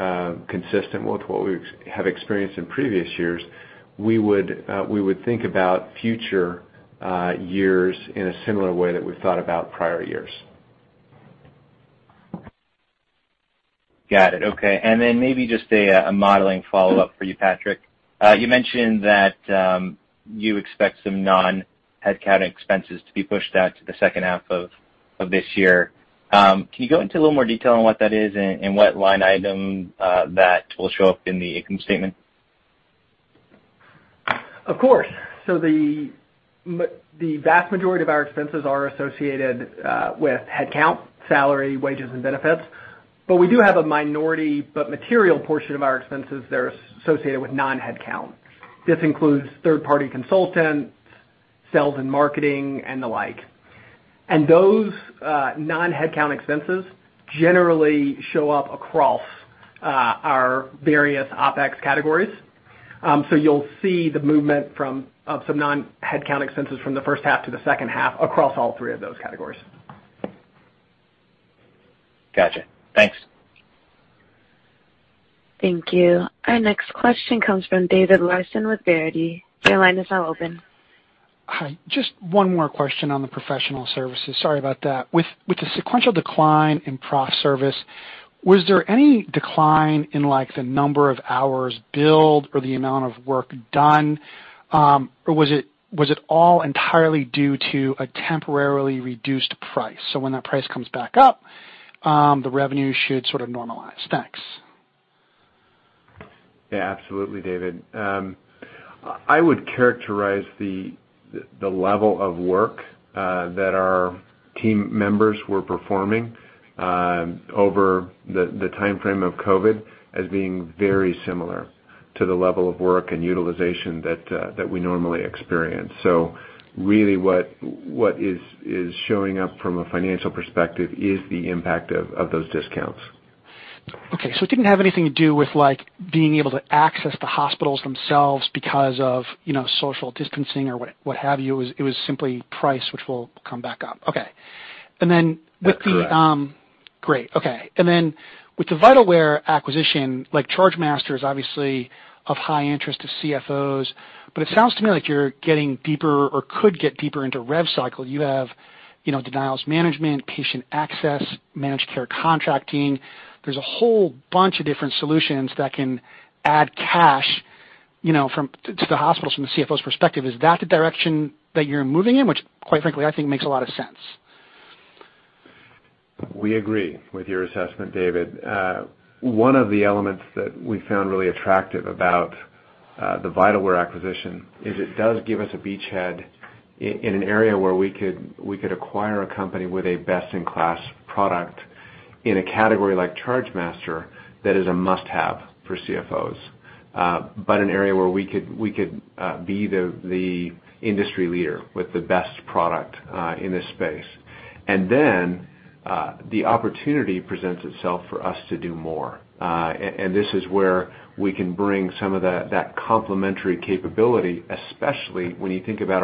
[SPEAKER 3] consistent with what we have experienced in previous years, we would think about future years in a similar way that we've thought about prior years.
[SPEAKER 14] Got it. Okay. Maybe just a modeling follow-up for you, Patrick. You mentioned that you expect some non-headcount expenses to be pushed out to the second half of this year. Can you go into a little more detail on what that is and what line item that will show up in the income statement?
[SPEAKER 4] Of course. The vast majority of our expenses are associated with headcount, salary, wages, and benefits. We do have a minority, but material portion of our expenses that are associated with non-headcount. This includes third-party consultants, sales and marketing, and the like. Those non-headcount expenses generally show up across our various OpEx categories. You'll see the movement of some non-headcount expenses from the first half to the second half across all three of those categories.
[SPEAKER 14] Got you. Thanks.
[SPEAKER 1] Thank you. Our next question comes from David Larsen with BTIG. Your line is now open.
[SPEAKER 15] Hi. Just one more question on the professional services. Sorry about that. With the sequential decline in prof service, was there any decline in the number of hours billed or the amount of work done? Or was it all entirely due to a temporarily reduced price? When that price comes back up, the revenue should sort of normalize. Thanks.
[SPEAKER 3] Yeah, absolutely, David. I would characterize the level of work that our team members were performing over the timeframe of COVID as being very similar to the level of work and utilization that we normally experience. Really what is showing up from a financial perspective is the impact of those discounts.
[SPEAKER 15] Okay, it didn't have anything to do with being able to access the hospitals themselves because of social distancing or what have you. It was simply price, which will come back up. Okay.
[SPEAKER 3] That's correct.
[SPEAKER 15] Great. Okay. With the Vitalware acquisition, like chargemaster is obviously of high interest to CFOs, it sounds to me like you're getting deeper or could get deeper into rev cycle. You have denials management, patient access, managed care contracting. There's a whole bunch of different solutions that can add cash to the hospitals from the CFO's perspective. Is that the direction that you're moving in? Which, quite frankly, I think makes a lot of sense.
[SPEAKER 3] We agree with your assessment, David. One of the elements that we found really attractive about the Vitalware acquisition is it does give us a beachhead in an area where we could acquire a company with a best-in-class product in a category like chargemaster that is a must-have for CFOs, but an area where we could be the industry leader with the best product in this space. The opportunity presents itself for us to do more. This is where we can bring some of that complementary capability, especially when you think about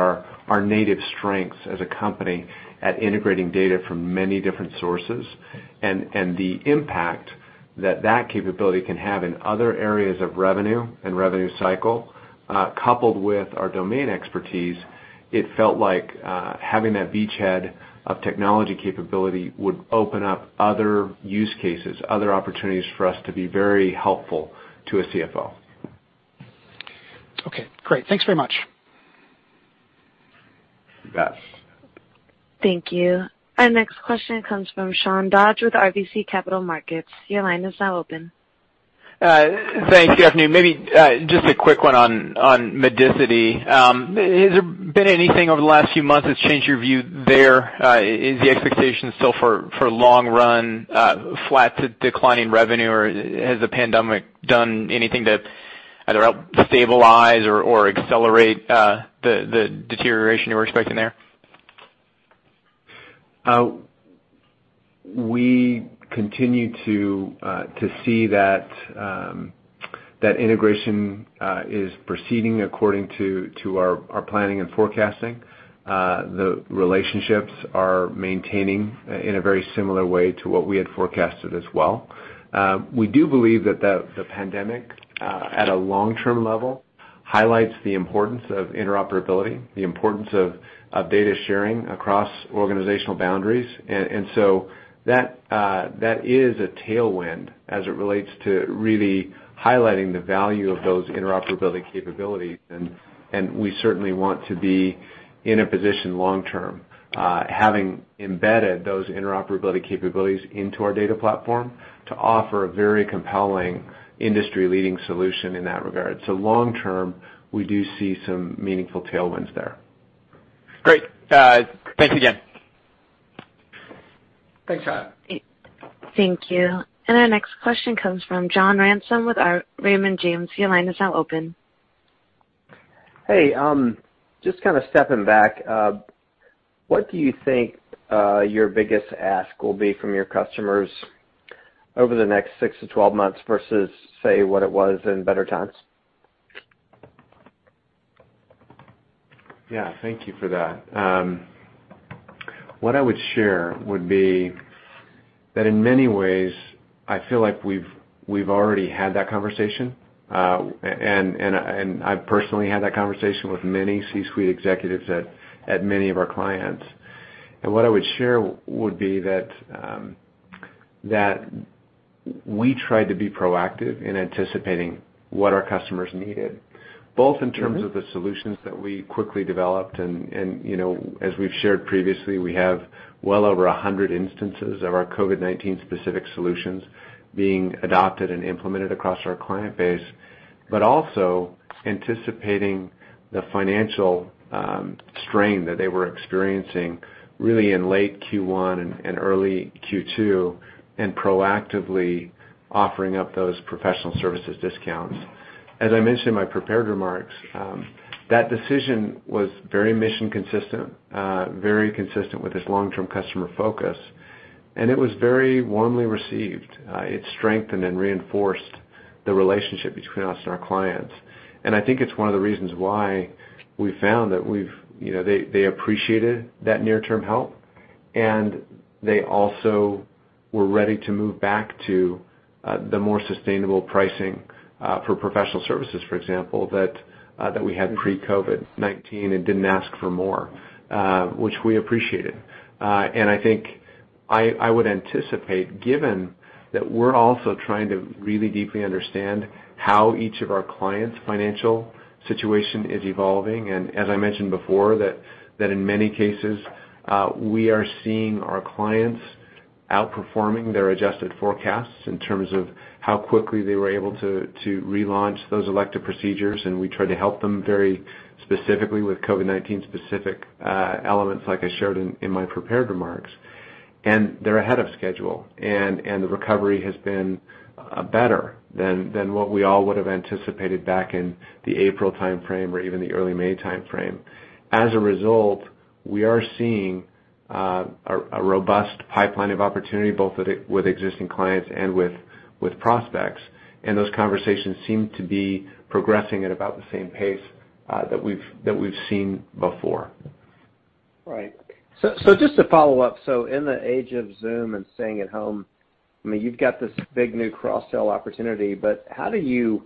[SPEAKER 3] our native strengths as a company at integrating data from many different sources and the impact that that capability can have in other areas of revenue and revenue cycle, coupled with our domain expertise. It felt like having that beachhead of technology capability would open up other use cases, other opportunities for us to be very helpful to a CFO.
[SPEAKER 15] Okay, great. Thanks very much.
[SPEAKER 3] You bet.
[SPEAKER 1] Thank you. Our next question comes from Sean Dodge with RBC Capital Markets. Your line is now open.
[SPEAKER 16] Thanks. Good afternoon. Maybe just a quick one on Medicity. Has there been anything over the last few months that's changed your view there? Is the expectation still for long run flat to declining revenue, or has the pandemic done anything to either help stabilize or accelerate the deterioration you were expecting there?
[SPEAKER 3] We continue to see that integration is proceeding according to our planning and forecasting. The relationships are maintaining in a very similar way to what we had forecasted as well. We do believe that the pandemic, at a long-term level, highlights the importance of interoperability, the importance of data sharing across organizational boundaries. That is a tailwind as it relates to really highlighting the value of those interoperability capabilities. We certainly want to be in a position long term having embedded those interoperability capabilities into our data platform to offer a very compelling industry-leading solution in that regard. Long term, we do see some meaningful tailwinds there.
[SPEAKER 16] Great. Thanks again.
[SPEAKER 3] Thanks, Sean.
[SPEAKER 1] Thank you. Our next question comes from John Ransom with Raymond James. Your line is now open.
[SPEAKER 17] Hey, just kind of stepping back. What do you think your biggest ask will be from your customers over the next 6-12 months versus, say, what it was in better times?
[SPEAKER 3] Thank you for that. What I would share would be that in many ways, I feel like we've already had that conversation. I've personally had that conversation with many C-suite executives at many of our clients. What I would share would be that we tried to be proactive in anticipating what our customers needed, both in terms of the solutions that we quickly developed, and as we've shared previously, we have well over 100 instances of our COVID-19 specific solutions being adopted and implemented across our client base, but also anticipating the financial strain that they were experiencing really in late Q1 and early Q2, and proactively offering up those professional services discounts. As I mentioned in my prepared remarks, that decision was very mission consistent, very consistent with this long-term customer focus, and it was very warmly received. It strengthened and reinforced the relationship between us and our clients. I think it's one of the reasons why we found that they appreciated that near-term help, and they also were ready to move back to the more sustainable pricing, for professional services, for example, that we had pre-COVID-19 and didn't ask for more, which we appreciated. I think I would anticipate, given that we're also trying to really deeply understand how each of our clients' financial situation is evolving, and as I mentioned before, that in many cases, we are seeing our clients outperforming their adjusted forecasts in terms of how quickly they were able to relaunch those elective procedures, and we try to help them very specifically with COVID-19 specific elements like I shared in my prepared remarks. They're ahead of schedule. The recovery has been better than what we all would have anticipated back in the April timeframe or even the early May timeframe. As a result, we are seeing a robust pipeline of opportunity, both with existing clients and with prospects. Those conversations seem to be progressing at about the same pace that we've seen before.
[SPEAKER 17] Right. Just to follow up, so in the age of Zoom and staying at home, you've got this big new cross-sell opportunity, but how do you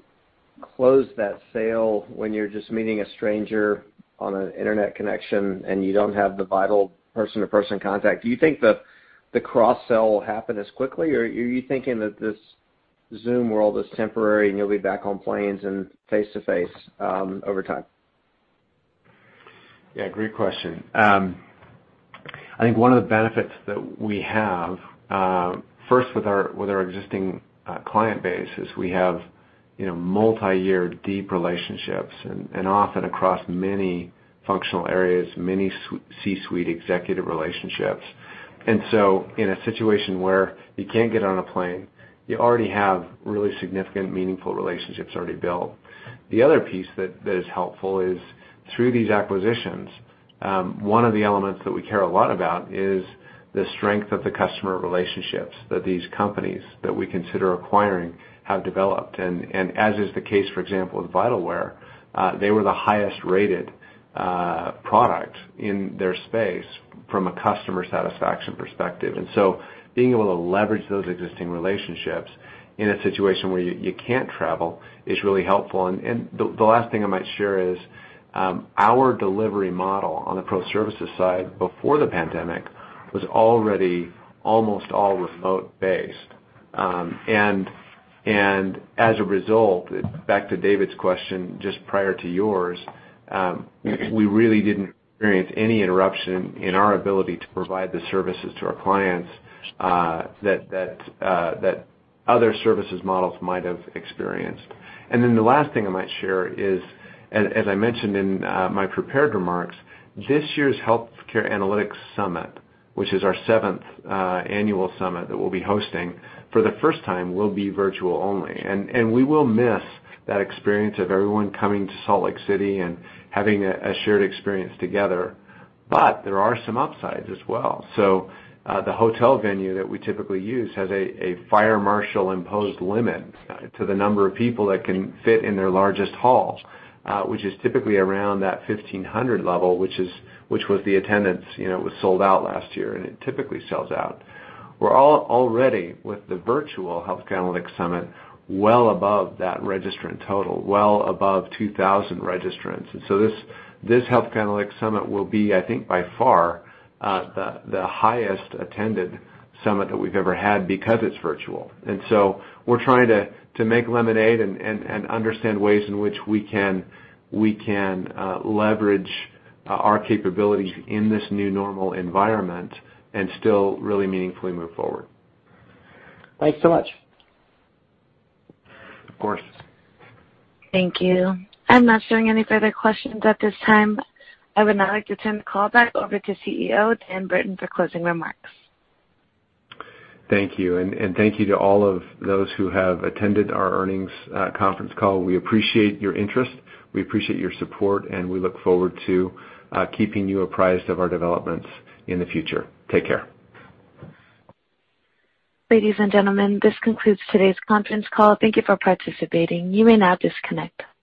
[SPEAKER 17] close that sale when you're just meeting a stranger on an internet connection and you don't have the vital person-to-person contact? Do you think the cross-sell will happen as quickly, or are you thinking that this Zoom world is temporary and you'll be back on planes and face-to-face over time?
[SPEAKER 3] Yeah, great question. I think one of the benefits that we have, first with our existing client base, is we have multi-year deep relationships and often across many functional areas, many C-suite executive relationships. In a situation where you can't get on a plane, you already have really significant, meaningful relationships already built. The other piece that is helpful is through these acquisitions, one of the elements that we care a lot about is the strength of the customer relationships that these companies that we consider acquiring have developed. As is the case, for example, with Vitalware, they were the highest-rated product in their space from a customer satisfaction perspective. Being able to leverage those existing relationships in a situation where you can't travel is really helpful. The last thing I might share is, our delivery model on the pro services side before the pandemic was already almost all remote-based. As a result, back to David's question just prior to yours, we really didn't experience any interruption in our ability to provide the services to our clients that other services models might have experienced. The last thing I might share is, as I mentioned in my prepared remarks, this year's Healthcare Analytics Summit, which is our seventh annual summit that we'll be hosting, for the first time will be virtual only. We will miss that experience of everyone coming to Salt Lake City and having a shared experience together. There are some upsides as well. The hotel venue that we typically use has a fire marshal-imposed limit to the number of people that can fit in their largest halls, which is typically around that 1,500 level, which was the attendance. It was sold out last year, and it typically sells out. We're already, with the virtual Healthcare Analytics Summit, well above that registrant total, well above 2,000 registrants. This Healthcare Analytics Summit will be, I think by far, the highest attended summit that we've ever had because it's virtual. We're trying to make lemonade and understand ways in which we can leverage our capabilities in this new normal environment and still really meaningfully move forward.
[SPEAKER 17] Thanks so much.
[SPEAKER 3] Of course.
[SPEAKER 1] Thank you. I am not showing any further questions at this time. I would now like to turn the call back over to CEO Dan Burton for closing remarks.
[SPEAKER 3] Thank you. Thank you to all of those who have attended our earnings conference call. We appreciate your interest. We appreciate your support, and we look forward to keeping you apprised of our developments in the future. Take care.
[SPEAKER 1] Ladies and gentlemen, this concludes today's conference call. Thank you for participating. You may now disconnect.